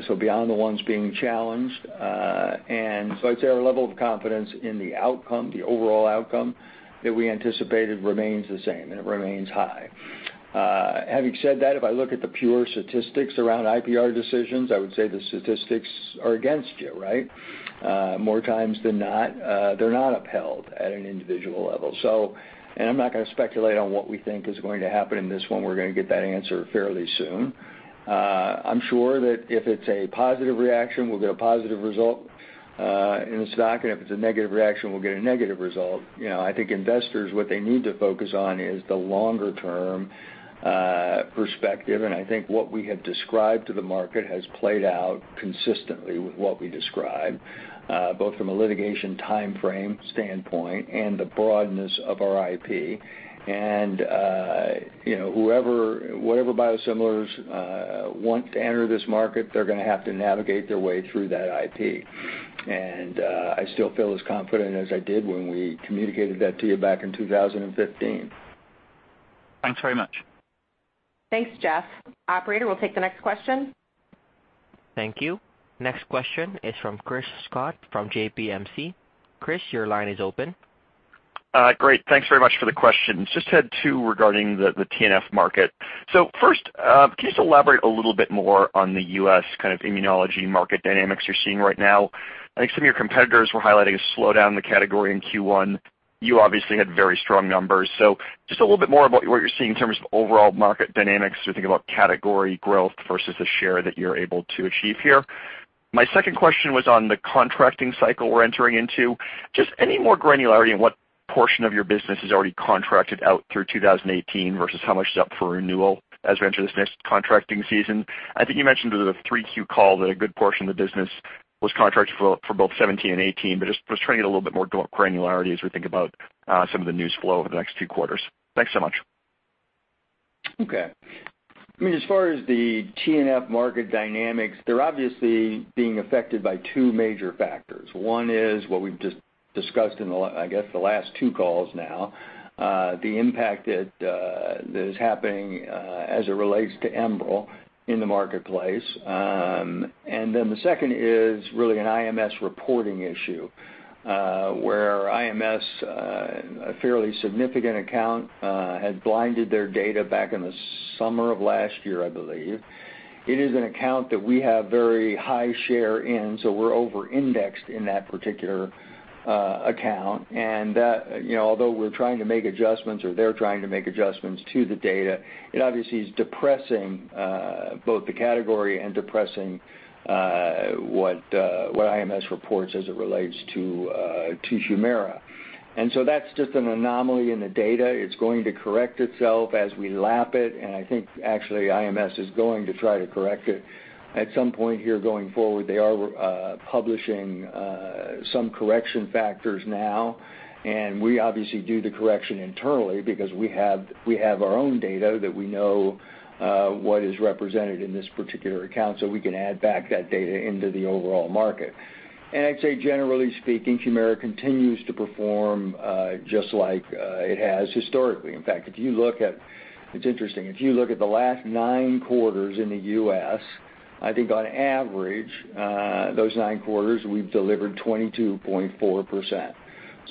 so beyond the ones being challenged. I'd say our level of confidence in the outcome, the overall outcome that we anticipated remains the same, and it remains high. Having said that, if I look at the pure statistics around IPR decisions, I would say the statistics are against you, right? More times than not, they're not upheld at an individual level. I'm not going to speculate on what we think is going to happen in this one. We're going to get that answer fairly soon. I'm sure that if it's a positive reaction, we'll get a positive result in this docket. If it's a negative reaction, we'll get a negative result. I think investors, what they need to focus on is the longer-term perspective, and I think what we have described to the market has played out consistently with what we described, both from a litigation timeframe standpoint and the broadness of our IP. Whatever biosimilars want to enter this market, they're going to have to navigate their way through that IP. I still feel as confident as I did when we communicated that to you back in 2015. Thanks very much. Thanks, Jeff. Operator, we'll take the next question. Thank you. Next question is from Chris Schott from JPMC. Chris, your line is open. Great. Thanks very much for the question. Just had two regarding the TNF market. First, can you just elaborate a little bit more on the U.S. kind of immunology market dynamics you're seeing right now? I think some of your competitors were highlighting a slowdown in the category in Q1. You obviously had very strong numbers. Just a little bit more about what you're seeing in terms of overall market dynamics as we think about category growth versus the share that you're able to achieve here. My second question was on the contracting cycle we're entering into. Just any more granularity on what portion of your business is already contracted out through 2018 versus how much is up for renewal as we enter this next contracting season? I think you mentioned in the 3Q call that a good portion of the business was contracted for both 2017 and 2018, but just was trying to get a little bit more granularity as we think about some of the news flow over the next few quarters. Thanks so much. Okay. As far as the TNF market dynamics, they're obviously being affected by two major factors. One is what we've just discussed in, I guess, the last two calls now, the impact that is happening as it relates to Enbrel in the marketplace. Then the second is really an IMS reporting issue, where IMS, a fairly significant account, had blinded their data back in the summer of last year, I believe. It is an account that we have very high share in, so we're over-indexed in that particular account. Although we're trying to make adjustments, or they're trying to make adjustments to the data, it obviously is depressing both the category and depressing what IMS reports as it relates to Humira. So that's just an anomaly in the data. It's going to correct itself as we lap it, I think actually IMS is going to try to correct it at some point here going forward. They are publishing some correction factors now, we obviously do the correction internally because we have our own data that we know what is represented in this particular account, so we can add back that data into the overall market. I'd say, generally speaking, Humira continues to perform just like it has historically. In fact, it's interesting, if you look at the last nine quarters in the U.S., I think on average, those nine quarters, we've delivered 22.4%.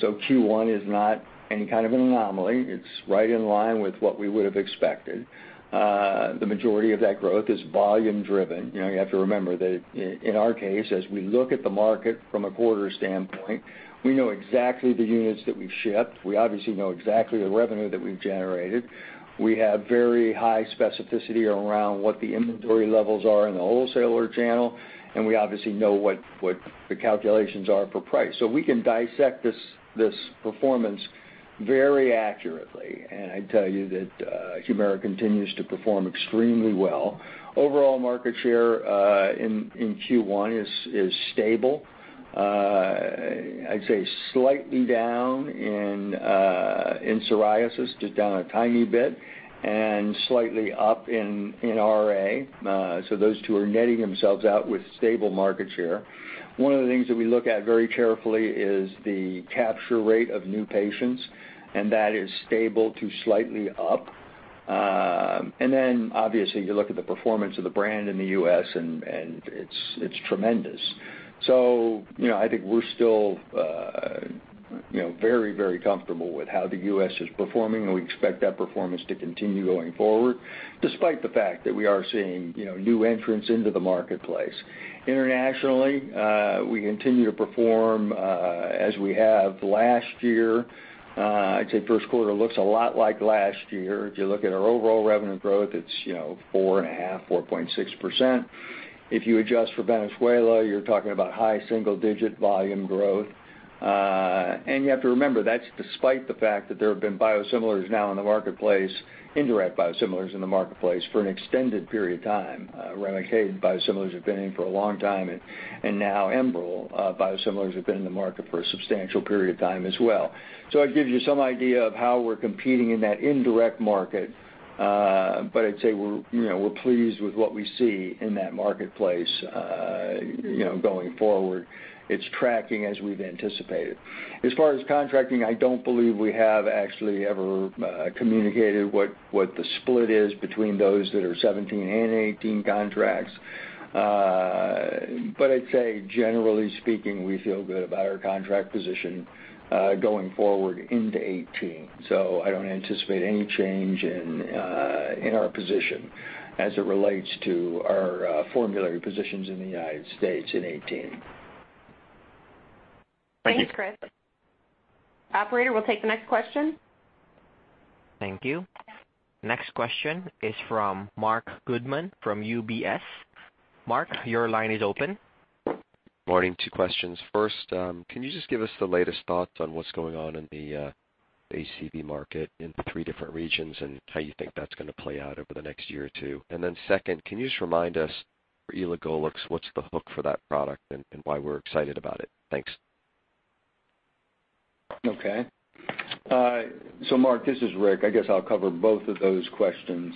Q1 is not any kind of an anomaly. It's right in line with what we would have expected. The majority of that growth is volume driven. You have to remember that in our case, as we look at the market from a quarter standpoint, we know exactly the units that we've shipped. We obviously know exactly the revenue that we've generated. We have very high specificity around what the inventory levels are in the wholesaler channel, we obviously know what the calculations are for price. We can dissect this performance very accurately, I'd tell you that Humira continues to perform extremely well. Overall market share in Q1 is stable. I'd say slightly down in psoriasis, just down a tiny bit, slightly up in RA. Those two are netting themselves out with stable market share. One of the things that we look at very carefully is the capture rate of new patients, that is stable to slightly up. Obviously you look at the performance of the brand in the U.S., and it's tremendous. I think we're still very comfortable with how the U.S. is performing, and we expect that performance to continue going forward, despite the fact that we are seeing new entrants into the marketplace. Internationally, we continue to perform as we have last year. I'd say first quarter looks a lot like last year. If you look at our overall revenue growth, it's 4.5%, 4.6%. If you adjust for Venezuela, you're talking about high single-digit volume growth. You have to remember, that's despite the fact that there have been biosimilars now in the marketplace, indirect biosimilars in the marketplace, for an extended period of time. Remicade biosimilars have been in for a long time, and now Enbrel biosimilars have been in the market for a substantial period of time as well. That gives you some idea of how we're competing in that indirect market. I'd say we're pleased with what we see in that marketplace going forward. It's tracking as we've anticipated. As far as contracting, I don't believe we have actually ever communicated what the split is between those that are 2017 and 2018 contracts. I'd say, generally speaking, we feel good about our contract position going forward into 2018. I don't anticipate any change in our position as it relates to our formulary positions in the United States in 2018. Thank you. Thanks, Chris. Operator, we'll take the next question. Thank you. Next question is from Marc Goodman from UBS. Marc, your line is open. Morning. Two questions. First, can you just give us the latest thoughts on what's going on in the HCV market in the three different regions, and how you think that's going to play out over the next year or two? Second, can you just remind us, for elagolix, what's the hook for that product and why we're excited about it? Thanks. Okay. Marc, this is Rick. I guess I'll cover both of those questions.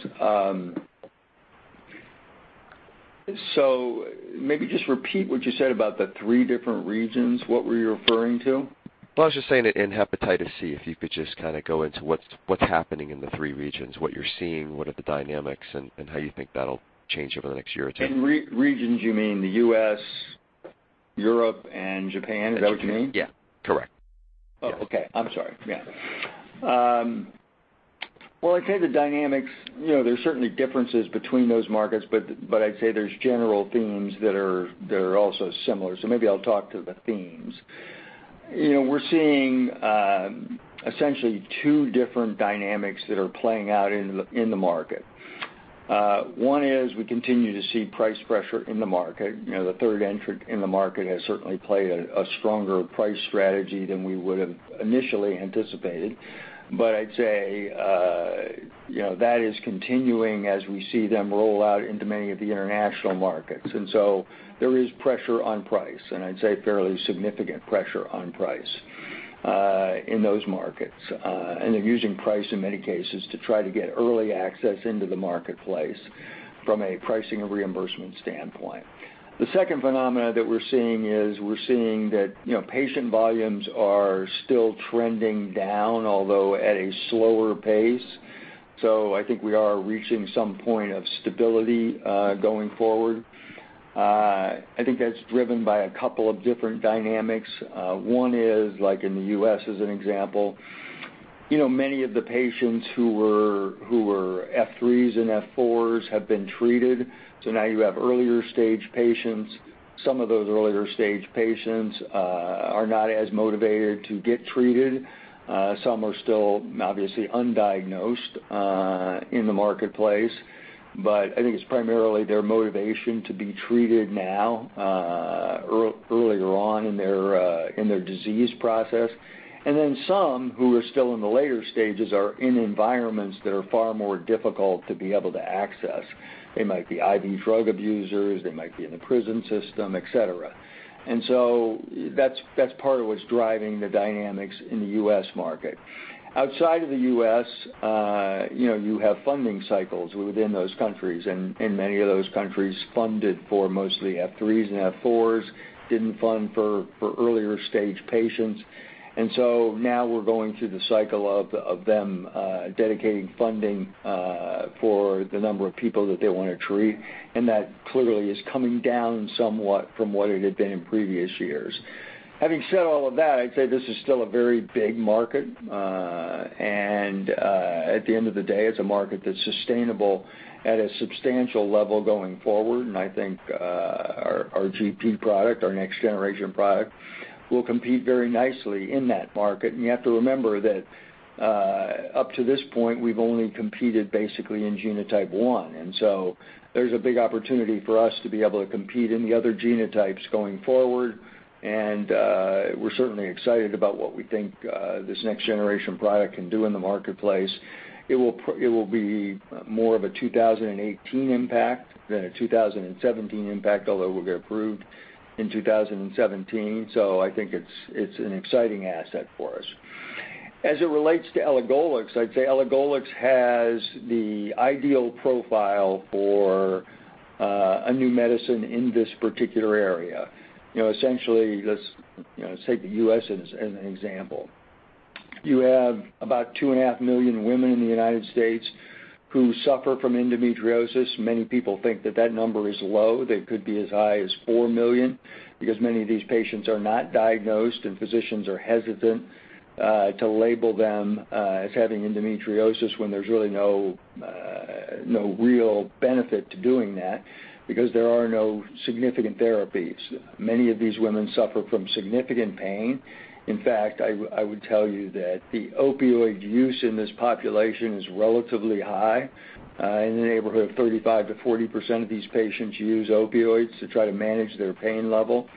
Maybe just repeat what you said about the three different regions. What were you referring to? Well, I was just saying that in hepatitis C, if you could just kind of go into what's happening in the three regions, what you're seeing, what are the dynamics, and how you think that'll change over the next year or two. In regions, you mean the U.S., Europe, and Japan? Is that what you mean? Yeah. Correct. Yes. Oh, okay. I'm sorry. Yeah. Well, I'd say the dynamics, there's certainly differences between those markets, I'd say there's general themes that are also similar. Maybe I'll talk to the themes. We're seeing essentially two different dynamics that are playing out in the market. One is we continue to see price pressure in the market. The third entrant in the market has certainly played a stronger price strategy than we would've initially anticipated. I'd say that is continuing as we see them roll out into many of the international markets. There is pressure on price, and I'd say fairly significant pressure on price in those markets. They're using price in many cases to try to get early access into the marketplace from a pricing and reimbursement standpoint. The second phenomena that we're seeing is we're seeing that patient volumes are still trending down, although at a slower pace. I think we are reaching some point of stability going forward. I think that's driven by a couple of different dynamics. One is, like in the U.S. as an example, many of the patients who were F3s and F4s have been treated. Now you have earlier stage patients. Some of those earlier stage patients are not as motivated to get treated. Some are still obviously undiagnosed in the marketplace. I think it's primarily their motivation to be treated now, earlier on in their disease process. Some who are still in the later stages are in environments that are far more difficult to be able to access. They might be IV drug abusers, they might be in the prison system, et cetera. That's part of what's driving the dynamics in the U.S. market. Outside of the U.S., you have funding cycles within those countries, and many of those countries funded for mostly F3s and F4s, didn't fund for earlier stage patients. Now we're going through the cycle of them dedicating funding for the number of people that they want to treat. That clearly is coming down somewhat from what it had been in previous years. Having said all of that, I'd say this is still a very big market. At the end of the day, it's a market that's sustainable at a substantial level going forward. I think our GT product, our next generation product, will compete very nicely in that market. You have to remember that up to this point, we've only competed basically in genotype 1. There's a big opportunity for us to be able to compete in the other genotypes going forward. We're certainly excited about what we think this next generation product can do in the marketplace. It will be more of a 2018 impact than a 2017 impact, although it will get approved in 2017. I think it's an exciting asset for us. As it relates to elagolix, I'd say elagolix has the ideal profile for a new medicine in this particular area. Essentially, let's take the U.S. as an example. You have about two and a half million women in the United States who suffer from endometriosis. Many people think that that number is low. They could be as high as 4 million because many of these patients are not diagnosed, and physicians are hesitant to label them as having endometriosis when there's really no real benefit to doing that because there are no significant therapies. Many of these women suffer from significant pain. In fact, I would tell you that the opioid use in this population is relatively high. In the neighborhood of 35%-40% of these patients use opioids to try to manage their pain level.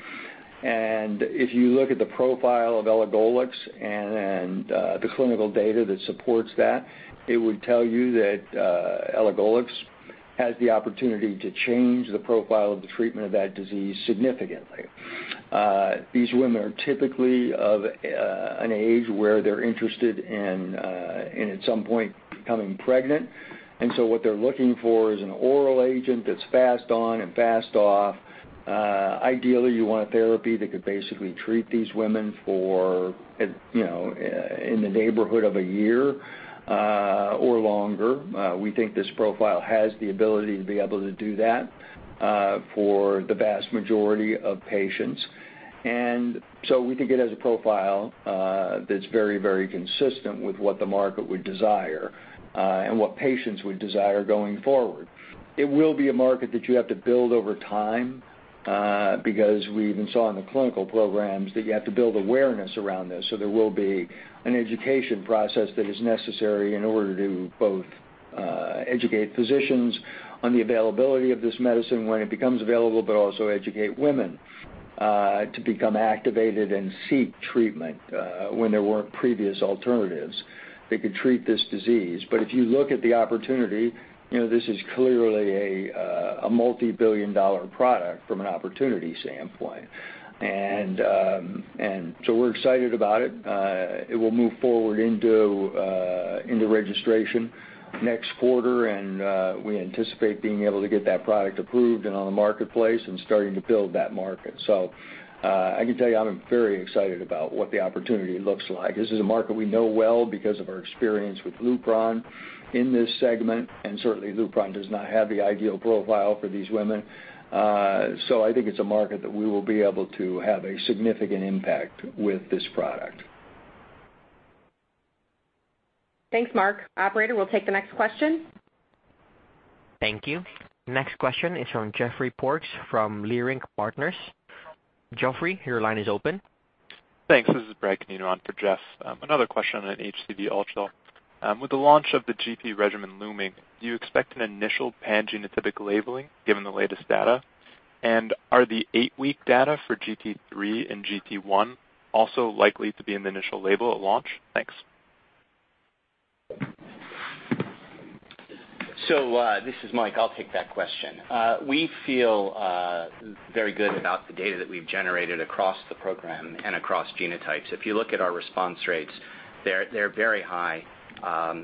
If you look at the profile of elagolix and the clinical data that supports that, it would tell you that elagolix has the opportunity to change the profile of the treatment of that disease significantly. These women are typically of an age where they're interested in at some point becoming pregnant. What they're looking for is an oral agent that's fast on and fast off. Ideally, you want a therapy that could basically treat these women in the neighborhood of a year or longer. We think this profile has the ability to be able to do that for the vast majority of patients. We think it has a profile that's very consistent with what the market would desire and what patients would desire going forward. It will be a market that you have to build over time because we even saw in the clinical programs that you have to build awareness around this. There will be an education process that is necessary in order to both educate physicians on the availability of this medicine when it becomes available, but also educate women to become activated and seek treatment when there weren't previous alternatives that could treat this disease. But if you look at the opportunity, this is clearly a multi-billion dollar product from an opportunity standpoint. And we're excited about it. It will move forward into registration next quarter, and we anticipate being able to get that product approved and on the marketplace and starting to build that market. I can tell you, I'm very excited about what the opportunity looks like. This is a market we know well because of our experience with Lupron in this segment, and certainly Lupron does not have the ideal profile for these women. I think it's a market that we will be able to have a significant impact with this product. Thanks, Marc. Operator, we'll take the next question. Thank you. Next question is from Geoffrey Porges from Leerink Partners. Geoffrey, your line is open. Thanks. This is Bradley Canino on for Jeff. Another question on HCV ultra. With the launch of the GT regimen looming, do you expect an initial pangenotypic labeling given the latest data? Are the eight-week data for GT3 and GT1 also likely to be in the initial label at launch? Thanks. This is Mike. I'll take that question. We feel very good about the data that we've generated across the program and across genotypes. If you look at our response rates, they're very high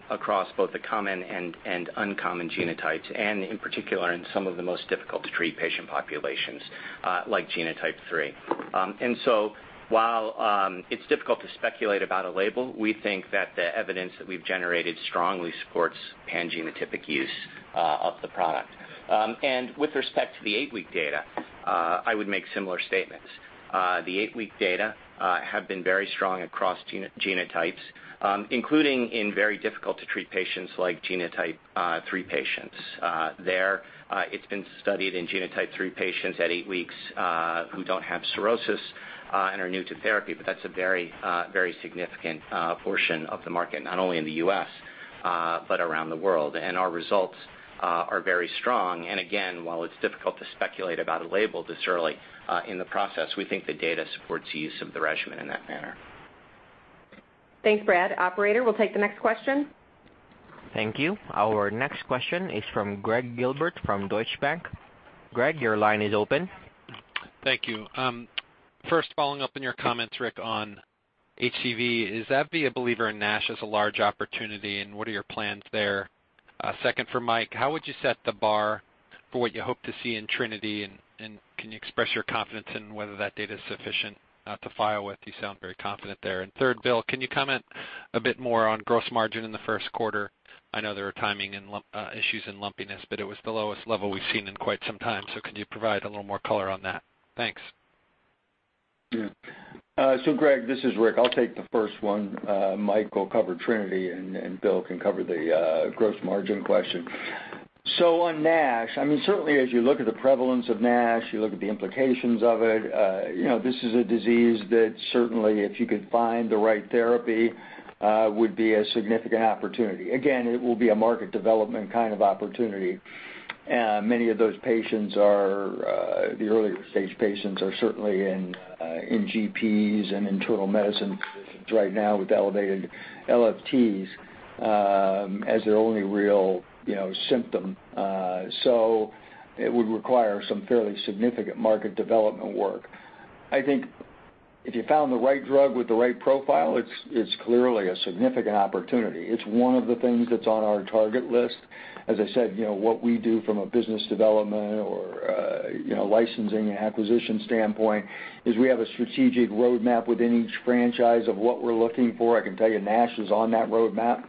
across both the common and uncommon genotypes, and in particular, in some of the most difficult to treat patient populations Like genotype 3. While it's difficult to speculate about a label, we think that the evidence that we've generated strongly supports pangenotypic use of the product. With respect to the eight-week data, I would make similar statements. The eight-week data have been very strong across genotypes, including in very difficult to treat patients like genotype 3 patients. There, it's been studied in genotype 3 patients at eight weeks who don't have cirrhosis and are new to therapy, but that's a very significant portion of the market, not only in the U.S. but around the world, and our results are very strong. Again, while it's difficult to speculate about a label this early in the process, we think the data supports the use of the regimen in that manner. Thanks, Brad. Operator, we'll take the next question. Thank you. Our next question is from Gregg Gilbert from Deutsche Bank. Gregg, your line is open. Thank you. First, following up on your comments, Rick, on HCV, is AbbVie a believer in NASH as a large opportunity, what are your plans there? Second, for Mike, how would you set the bar for what you hope to see in TRINITY, can you express your confidence in whether that data is sufficient to file with? You sound very confident there. Third, Bill, can you comment a bit more on gross margin in the first quarter? I know there are timing issues and lumpiness, but it was the lowest level we've seen in quite some time, so could you provide a little more color on that? Thanks. Gregg, this is Rick. I'll take the first one. Mike will cover TRINITY, and Bill can cover the gross margin question. On NASH, certainly as you look at the prevalence of NASH, you look at the implications of it, this is a disease that certainly, if you could find the right therapy, would be a significant opportunity. Again, it will be a market development kind of opportunity. Many of those patients are the earlier stage patients are certainly in GPs and internal medicine positions right now with elevated LFTs as their only real symptom. It would require some fairly significant market development work. I think if you found the right drug with the right profile, it's clearly a significant opportunity. It's one of the things that's on our target list. As I said, what we do from a business development or licensing and acquisition standpoint is we have a strategic roadmap within each franchise of what we're looking for. I can tell you NASH is on that roadmap.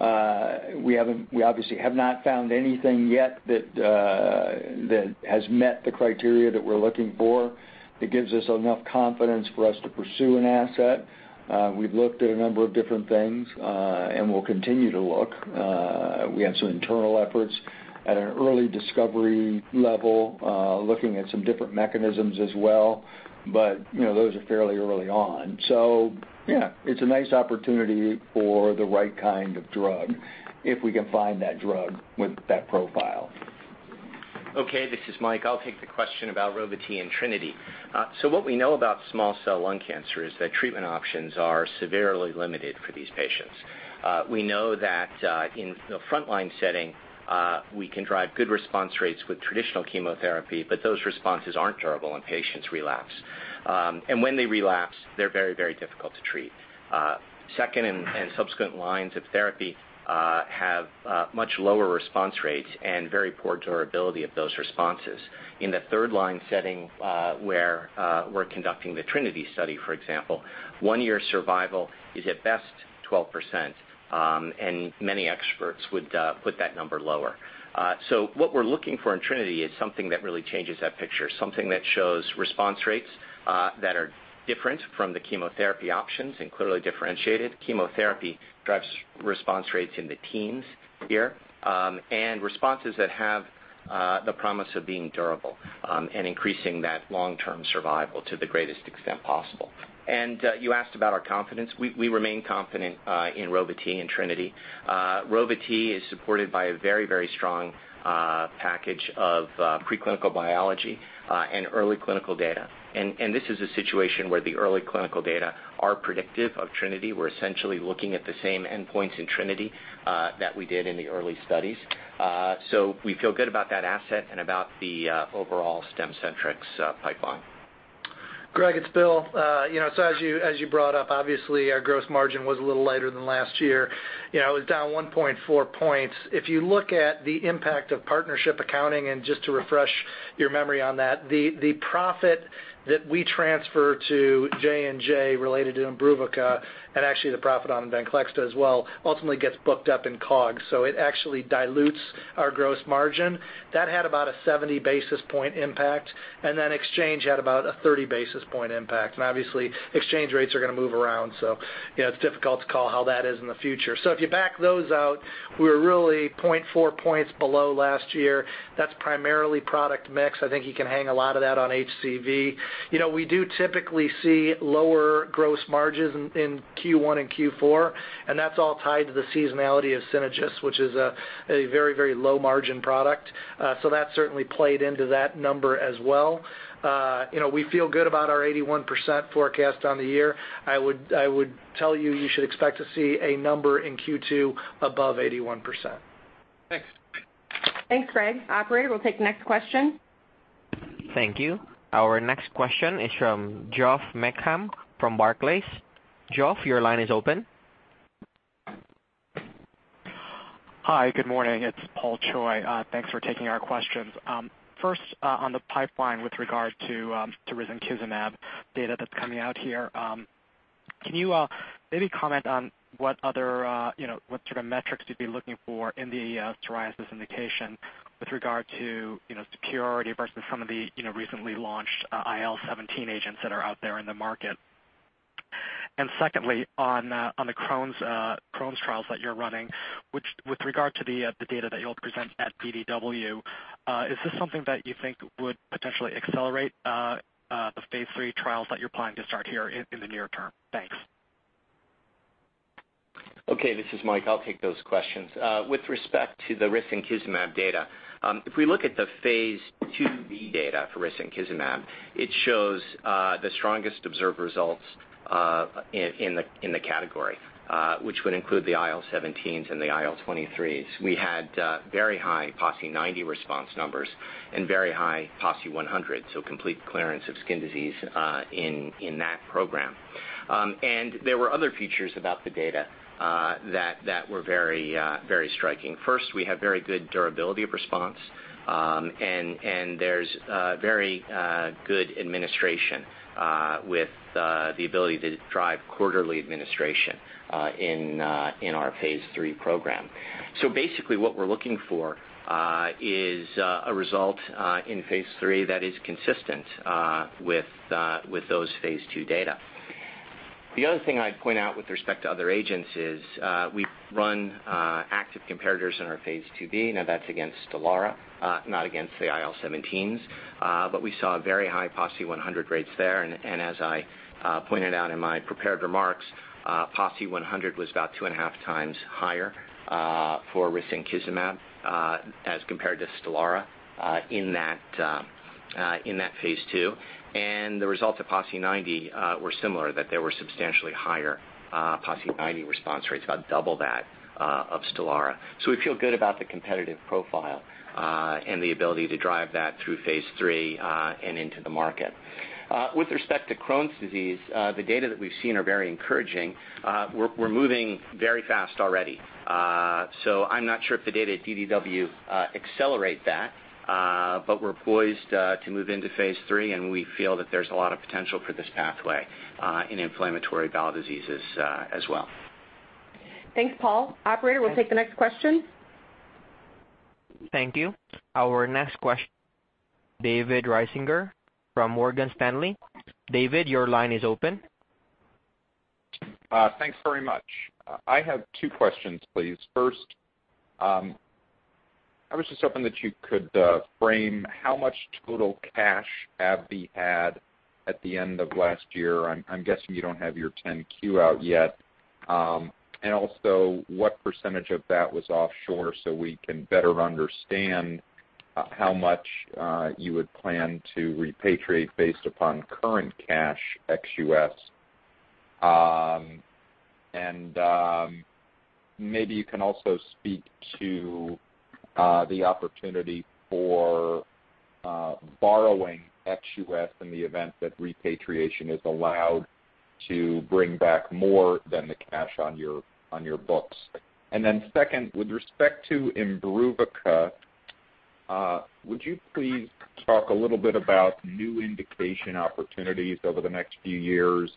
We obviously have not found anything yet that has met the criteria that we're looking for that gives us enough confidence for us to pursue an asset. We've looked at a number of different things and will continue to look. We have some internal efforts at an early discovery level, looking at some different mechanisms as well, but those are fairly early on. It's a nice opportunity for the right kind of drug if we can find that drug with that profile. This is Mike. I'll take the question about Rova-T and TRINITY. What we know about small cell lung cancer is that treatment options are severely limited for these patients. We know that in the frontline setting, we can drive good response rates with traditional chemotherapy, but those responses aren't durable, and patients relapse. When they relapse, they're very difficult to treat. Second and subsequent lines of therapy have much lower response rates and very poor durability of those responses. In the third-line setting where we're conducting the TRINITY study, for example, one-year survival is at best 12%, and many experts would put that number lower. What we're looking for in TRINITY is something that really changes that picture, something that shows response rates that are different from the chemotherapy options and clearly differentiated. Chemotherapy drives response rates in the teens here, and responses that have the promise of being durable and increasing that long-term survival to the greatest extent possible. You asked about our confidence. We remain confident in Rova-T and TRINITY. Rova-T is supported by a very strong package of preclinical biology and early clinical data. This is a situation where the early clinical data are predictive of TRINITY. We're essentially looking at the same endpoints in TRINITY that we did in the early studies. We feel good about that asset and about the overall Stemcentrx pipeline. Gregg, it's Bill. As you brought up, obviously our gross margin was a little lighter than last year. It was down 1.4 points. If you look at the impact of partnership accounting, and just to refresh your memory on that, the profit that we transfer to J&J related to IMBRUVICA and actually the profit on VENCLEXTA as well, ultimately gets booked up in COG. It actually dilutes our gross margin. That had about a 70-basis point impact, and then exchange had about a 30-basis point impact. Obviously, exchange rates are going to move around, so it's difficult to call how that is in the future. If you back those out, we were really 0.4 points below last year. That's primarily product mix. I think you can hang a lot of that on HCV. We do typically see lower gross margins in Q1 and Q4, and that's all tied to the seasonality of SYNAGIS, which is a very low margin product. That certainly played into that number as well. We feel good about our 81% forecast on the year. I would tell you should expect to see a number in Q2 above 81%. Thanks. Thanks, Gregg. Operator, we'll take the next question. Thank you. Our next question is from Geoff Meacham from Barclays. Geoff, your line is open. Hi, good morning. It's Paul Choi. Thanks for taking our questions. First, on the pipeline with regard to risankizumab data that's coming out here. Can you maybe comment on what sort of metrics you'd be looking for in the psoriasis indication with regard to superiority versus some of the recently launched IL-17 agents that are out there in the market? Secondly, on the Crohn's trials that you're running, with regard to the data that you'll present at DDW, is this something that you think would potentially accelerate the phase III trials that you're planning to start here in the near term? Thanks. Okay, this is Mike. I'll take those questions. With respect to the risankizumab data, if we look at the phase IIb data for risankizumab, it shows the strongest observed results in the category, which would include the IL-17s and the IL-23s. We had very high PASI 90 response numbers and very high PASI 100, so complete clearance of skin disease in that program. There were other features about the data that were very striking. First, we have very good durability of response, and there's very good administration with the ability to drive quarterly administration in our phase III program. Basically what we're looking for is a result in phase III that is consistent with those phase II data. The other thing I'd point out with respect to other agents is we run active comparators in our phase IIb. Now that's against STELARA, not against the IL-17s. We saw very high PASI 100 rates there, and as I pointed out in my prepared remarks, PASI 100 was about two and a half times higher for risankizumab as compared to STELARA in that phase II. The results of PASI 90 were similar, that there were substantially higher PASI 90 response rates, about double that of STELARA. We feel good about the competitive profile and the ability to drive that through phase III and into the market. With respect to Crohn's disease, the data that we've seen are very encouraging. We're moving very fast already. I'm not sure if the data at DDW accelerate that, but we're poised to move into phase III, and we feel that there's a lot of potential for this pathway in inflammatory bowel diseases as well. Thanks, Paul. Operator, we'll take the next question. Thank you. Our next question, David Risinger from Morgan Stanley. David, your line is open. Thanks very much. I have two questions, please. First, I was just hoping that you could frame how much total cash AbbVie had at the end of last year. I'm guessing you don't have your 10-Q out yet. Also, what percentage of that was offshore so we can better understand how much you would plan to repatriate based upon current cash ex-U.S. Maybe you can also speak to the opportunity for borrowing ex-U.S. in the event that repatriation is allowed to bring back more than the cash on your books. Then second, with respect to IMBRUVICA, would you please talk a little bit about new indication opportunities over the next few years,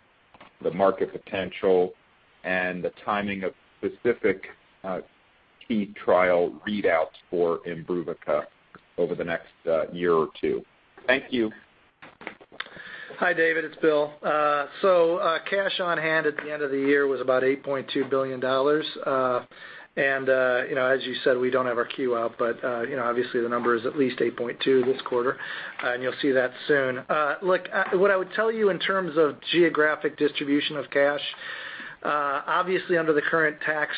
the market potential, and the timing of specific key trial readouts for IMBRUVICA over the next year or two? Thank you. Hi, David. It's Bill. Cash on hand at the end of the year was about $8.2 billion. As you said, we don't have our Q out, but obviously the number is at least 8.2 this quarter, and you'll see that soon. What I would tell you in terms of geographic distribution of cash, obviously under the current tax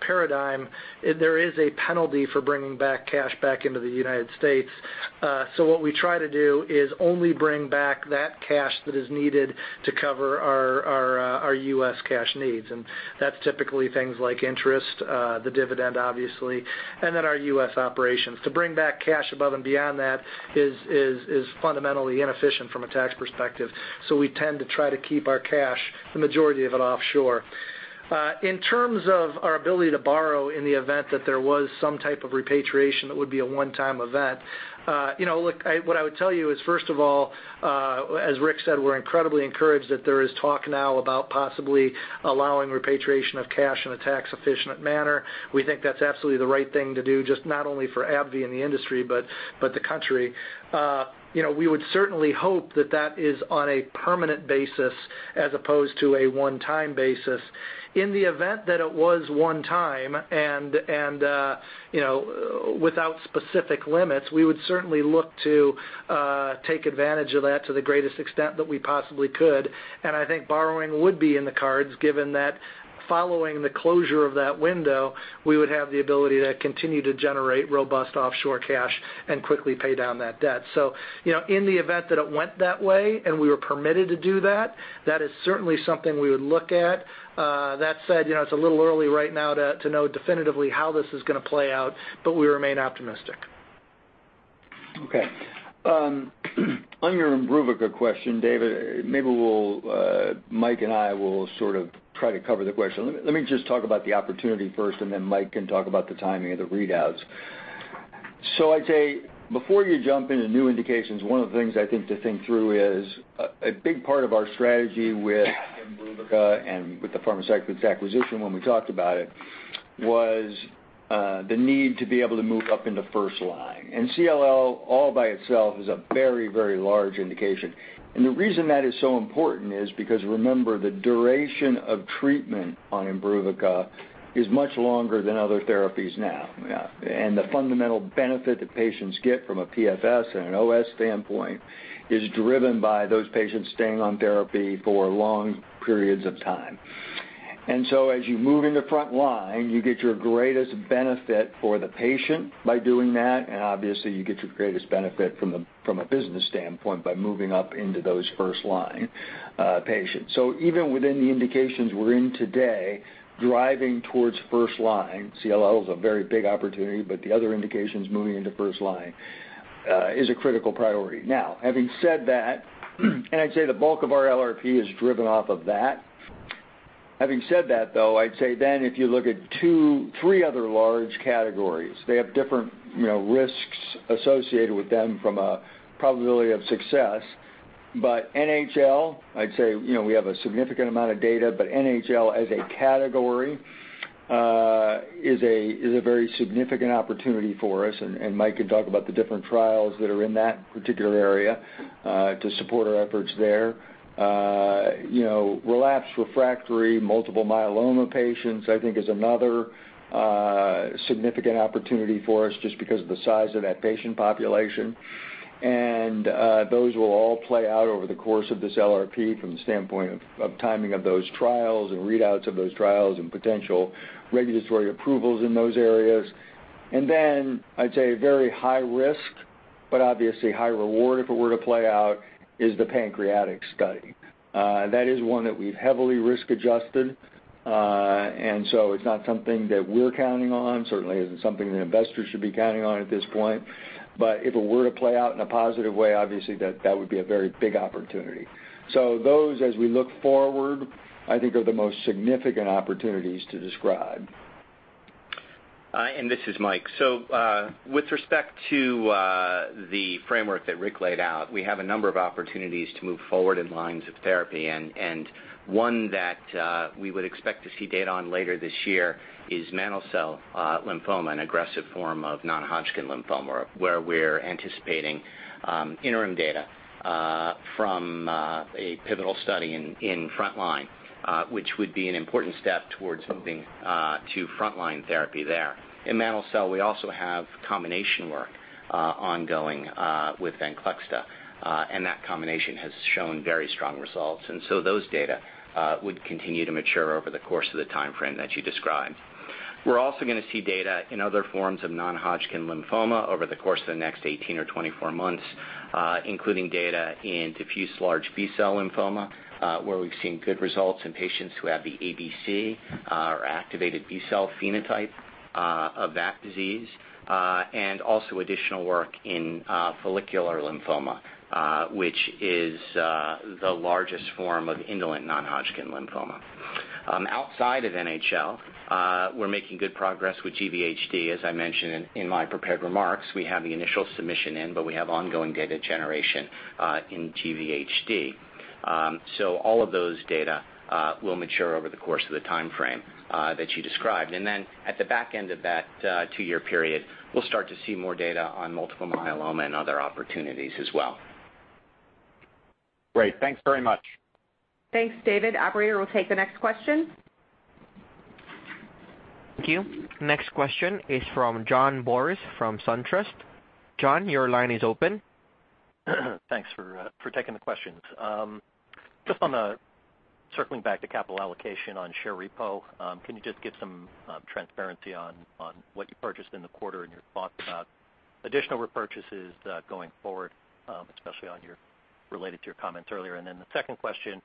paradigm, there is a penalty for bringing back cash back into the U.S. What we try to do is only bring back that cash that is needed to cover our U.S. cash needs, and that's typically things like interest, the dividend, obviously, and then our U.S. operations. To bring back cash above and beyond that is fundamentally inefficient from a tax perspective. We tend to try to keep our cash, the majority of it, offshore. In terms of our ability to borrow in the event that there was some type of repatriation, that would be a one-time event. What I would tell you is, first of all, as Rick said, we're incredibly encouraged that there is talk now about possibly allowing repatriation of cash in a tax-efficient manner. We think that's absolutely the right thing to do, not only for AbbVie and the industry, but the country. We would certainly hope that that is on a permanent basis as opposed to a one-time basis. In the event that it was one time and without specific limits, we would certainly look to take advantage of that to the greatest extent that we possibly could. I think borrowing would be in the cards given that following the closure of that window, we would have the ability to continue to generate robust offshore cash and quickly pay down that debt. In the event that it went that way and we were permitted to do that is certainly something we would look at. That said, it's a little early right now to know definitively how this is going to play out, but we remain optimistic. On your IMBRUVICA question, David, maybe Mike and I will sort of try to cover the question. Let me just talk about the opportunity first, and then Mike can talk about the timing of the readouts. I'd say, before you jump into new indications, one of the things I think to think through is a big part of our strategy with IMBRUVICA and with the Pharmacyclics acquisition when we talked about it was the need to be able to move up into first line. CLL, all by itself, is a very, very large indication. The reason that is so important is because remember, the duration of treatment on IMBRUVICA is much longer than other therapies now. Yeah. The fundamental benefit that patients get from a PFS and an OS standpoint is driven by those patients staying on therapy for long periods of time. As you move into front line, you get your greatest benefit for the patient by doing that, and obviously you get your greatest benefit from a business standpoint by moving up into those first-line patients. Even within the indications we're in today, driving towards first line, CLL is a very big opportunity, but the other indications moving into first line is a critical priority. Having said that, I'd say the bulk of our LRP is driven off of that. I'd say if you look at three other large categories, they have different risks associated with them from a probability of success. NHL, I'd say we have a significant amount of data, but NHL as a category is a very significant opportunity for us, and Mike can talk about the different trials that are in that particular area to support our efforts there. Relapsed refractory, multiple myeloma patients, I think is another significant opportunity for us just because of the size of that patient population. Those will all play out over the course of this LRP from the standpoint of timing of those trials and readouts of those trials and potential regulatory approvals in those areas. I'd say very high risk, but obviously high reward if it were to play out, is the pancreatic study. That is one that we've heavily risk-adjusted, it's not something that we're counting on, certainly isn't something that investors should be counting on at this point. If it were to play out in a positive way, obviously that would be a very big opportunity. Those, as we look forward, I think are the most significant opportunities to describe. This is Mike. With respect to the framework that Rick laid out, we have a number of opportunities to move forward in lines of therapy, and one that we would expect to see data on later this year is mantle cell lymphoma, an aggressive form of non-Hodgkin lymphoma, where we're anticipating interim data from a pivotal study in frontline, which would be an important step towards moving to frontline therapy there. In mantle cell, we also have combination work ongoing with VENCLEXTA, and that combination has shown very strong results, those data would continue to mature over the course of the timeframe that you described. We're also going to see data in other forms of non-Hodgkin lymphoma over the course of the next 18 or 24 months, including data in diffuse large B-cell lymphoma, where we've seen good results in patients who have the ABC or activated B-cell phenotype of that disease, also additional work in follicular lymphoma which is the largest form of indolent non-Hodgkin lymphoma. Outside of NHL, we're making good progress with GVHD, as I mentioned in my prepared remarks. We have the initial submission in, but we have ongoing data generation in GVHD. All of those data will mature over the course of the timeframe that you described. At the back end of that 2-year period, we'll start to see more data on multiple myeloma and other opportunities as well. Great. Thanks very much. Thanks, David. Operator will take the next question. Thank you. Next question is from John Boris from SunTrust. John, your line is open. Thanks for taking the questions. Circling back to capital allocation on share repo, can you just give some transparency on what you purchased in the quarter and your thoughts about additional repurchases going forward, especially related to your comments earlier? The second question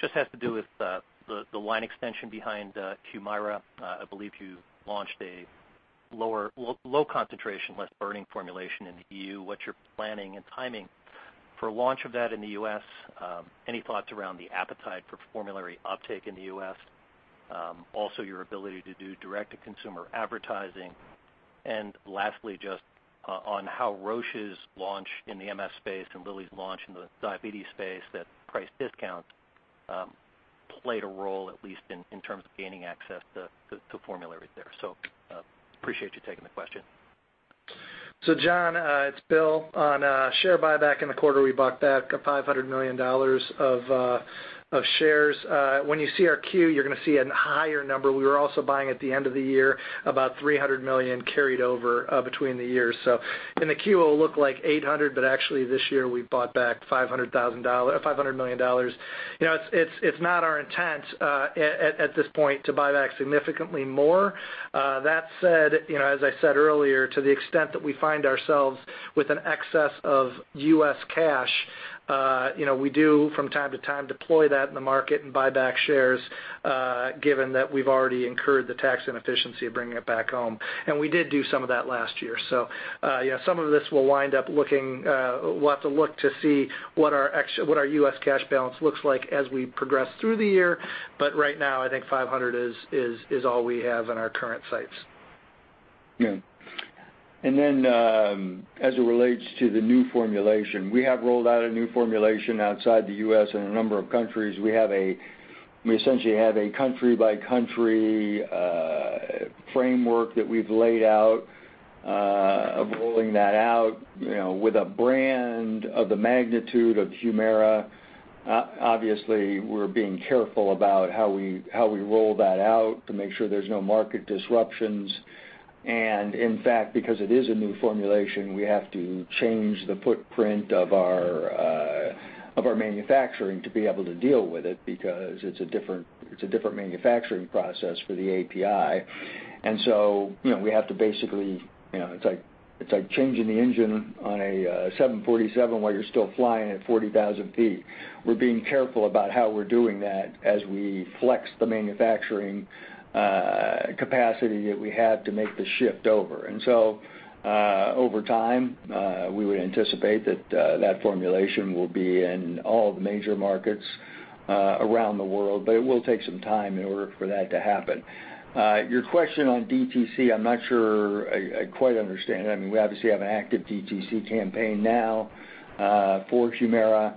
just has to do with the line extension behind Humira. I believe you launched a low concentration, less burning formulation in the EU. What's your planning and timing for launch of that in the U.S.? Any thoughts around the appetite for formulary uptake in the U.S.? Also, your ability to do direct-to-consumer advertising. Lastly, just on how Roche's launch in the MS space and Lilly's launch in the diabetes space, that price discount played a role, at least in terms of gaining access to the formulary there. Appreciate you taking the question. John, it's Bill. On share buyback in the quarter, we bought back $500 million of shares. When you see our Q, you're going to see a higher number. We were also buying at the end of the year about $300 million carried over between the years. In the Q, it will look like $800 million, but actually this year we bought back $500 million. It's not our intent at this point to buy back significantly more. That said, as I said earlier, to the extent that we find ourselves with an excess of U.S. cash We do from time to time deploy that in the market and buy back shares, given that we've already incurred the tax inefficiency of bringing it back home. We did do some of that last year. Some of this we'll have to look to see what our U.S. cash balance looks like as we progress through the year. Right now, I think $500 million is all we have in our current sights. As it relates to the new formulation, we have rolled out a new formulation outside the U.S. in a number of countries. We essentially have a country-by-country framework that we've laid out of rolling that out. With a brand of the magnitude of Humira, obviously, we're being careful about how we roll that out to make sure there's no market disruptions. In fact, because it is a new formulation, we have to change the footprint of our manufacturing to be able to deal with it, because it's a different manufacturing process for the API. We have to basically, it's like changing the engine on a 747 while you're still flying at 40,000 feet. We're being careful about how we're doing that as we flex the manufacturing capacity that we have to make the shift over. Over time, we would anticipate that formulation will be in all the major markets around the world, but it will take some time in order for that to happen. Your question on DTC, I'm not sure I quite understand. We obviously have an active DTC campaign now for Humira.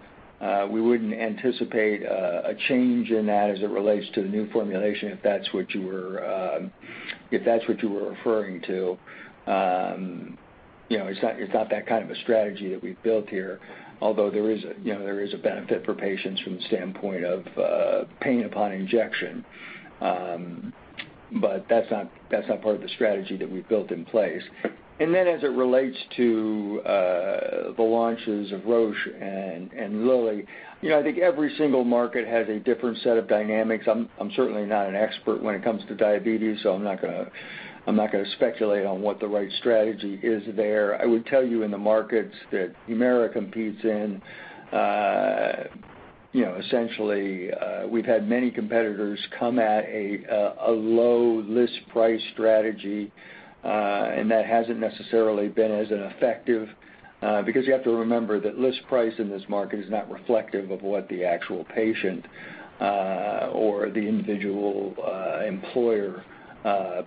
We wouldn't anticipate a change in that as it relates to the new formulation, if that's what you were referring to. It's not that kind of a strategy that we've built here, although there is a benefit for patients from the standpoint of pain upon injection. That's not part of the strategy that we've built in place. As it relates to the launches of Roche and Lilly, I think every single market has a different set of dynamics. I'm certainly not an expert when it comes to diabetes, so I'm not going to speculate on what the right strategy is there. I would tell you in the markets that Humira competes in, essentially, we've had many competitors come at a low list price strategy, and that hasn't necessarily been as effective. Because you have to remember that list price in this market is not reflective of what the actual patient, or the individual employer,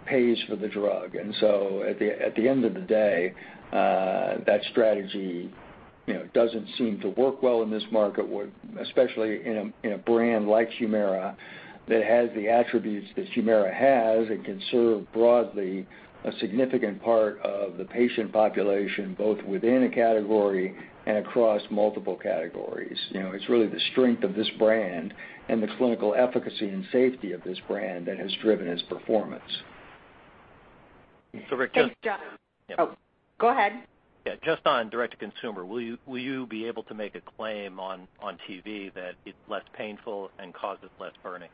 pays for the drug. At the end of the day, that strategy doesn't seem to work well in this market, especially in a brand like Humira that has the attributes that Humira has and can serve broadly a significant part of the patient population, both within a category and across multiple categories. It's really the strength of this brand and the clinical efficacy and safety of this brand that has driven its performance. Rick, Thanks, John. Oh, go ahead. Yeah, just on direct to consumer, will you be able to make a claim on TV that it's less painful and causes less burning?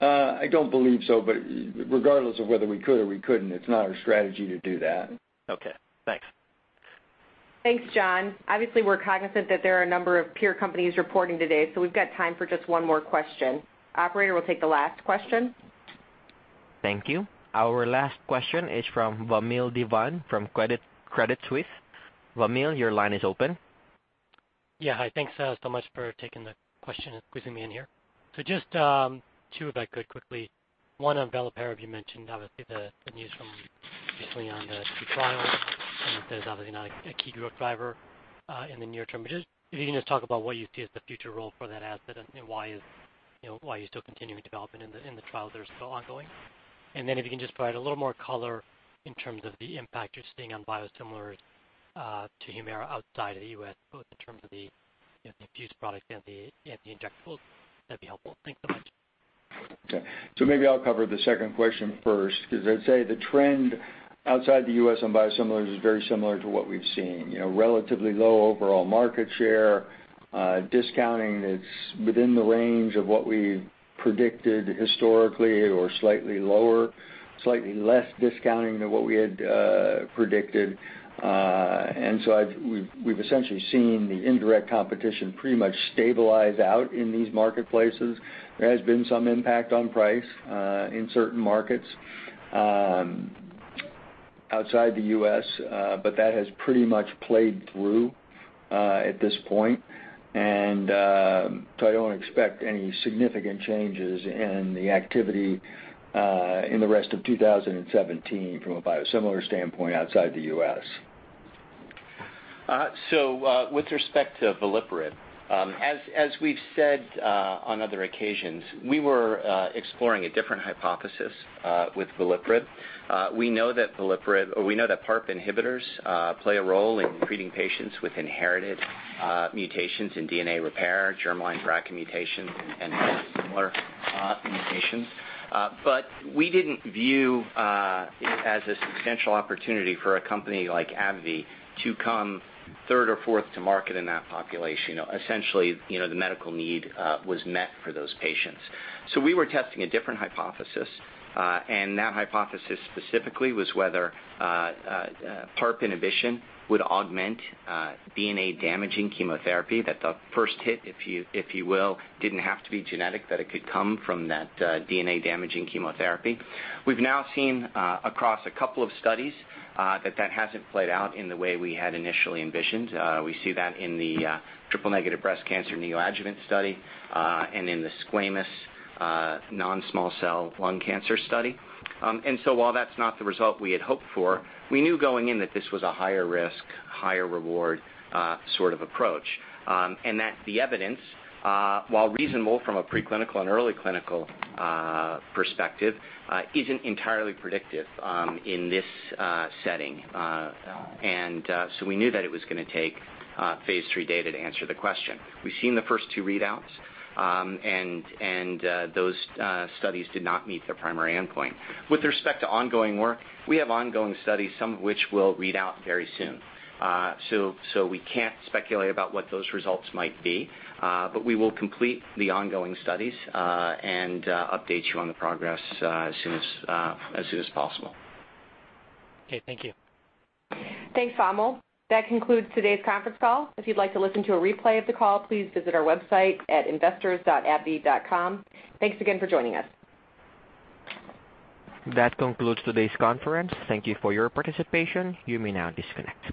I don't believe so. Regardless of whether we could or we couldn't, it's not our strategy to do that. Okay, thanks. Thanks, John. Obviously, we're cognizant that there are a number of peer companies reporting today, we've got time for just one more question. Operator, we'll take the last question. Thank you. Our last question is from Vamil Divan from Credit Suisse. Vamil, your line is open. Hi, thanks so much for taking the question and squeezing me in here. Just 2, if I could quickly. One on veliparib, you mentioned obviously the news from basically on the key trial, that is obviously not a key growth driver, in the near term. If you can just talk about what you see as the future role for that asset and why you're still continuing development in the trials that are still ongoing. If you can just provide a little more color in terms of the impact you're seeing on biosimilars to Humira outside the U.S., both in terms of the infused products and the injectables, that'd be helpful. Thanks so much. Okay. Maybe I'll cover the 2nd question first, because I'd say the trend outside the U.S. on biosimilars is very similar to what we've seen. Relatively low overall market share. Discounting is within the range of what we predicted historically or slightly lower, slightly less discounting than what we had predicted. We've essentially seen the indirect competition pretty much stabilize out in these marketplaces. There has been some impact on price, in certain markets outside the U.S., that has pretty much played through, at this point. I don't expect any significant changes in the activity in the rest of 2017 from a biosimilar standpoint outside the U.S. With respect to veliparib, as we've said on other occasions, we were exploring a different hypothesis with veliparib. We know that PARP inhibitors play a role in treating patients with inherited mutations in DNA repair, germline BRCA mutations, and other similar mutations. We didn't view it as a substantial opportunity for a company like AbbVie to come third or fourth to market in that population. Essentially, the medical need was met for those patients. We were testing a different hypothesis. That hypothesis specifically was whether PARP inhibition would augment DNA-damaging chemotherapy. The first hit, if you will, didn't have to be genetic, that it could come from that DNA-damaging chemotherapy. We've now seen across a couple of studies, that that hasn't played out in the way we had initially envisioned. We see that in the triple negative breast cancer neoadjuvant study, and in the squamous non-small cell lung cancer study. While that's not the result we had hoped for, we knew going in that this was a higher risk, higher reward sort of approach. That the evidence, while reasonable from a preclinical and early clinical perspective, isn't entirely predictive in this setting. We knew that it was going to take phase III data to answer the question. We've seen the first two readouts, and those studies did not meet their primary endpoint. With respect to ongoing work, we have ongoing studies, some of which will read out very soon. We can't speculate about what those results might be. We will complete the ongoing studies, and update you on the progress as soon as possible. Okay, thank you. Thanks, Vamil. That concludes today's conference call. If you'd like to listen to a replay of the call, please visit our website at investors.abbvie.com. Thanks again for joining us. That concludes today's conference. Thank you for your participation. You may now disconnect.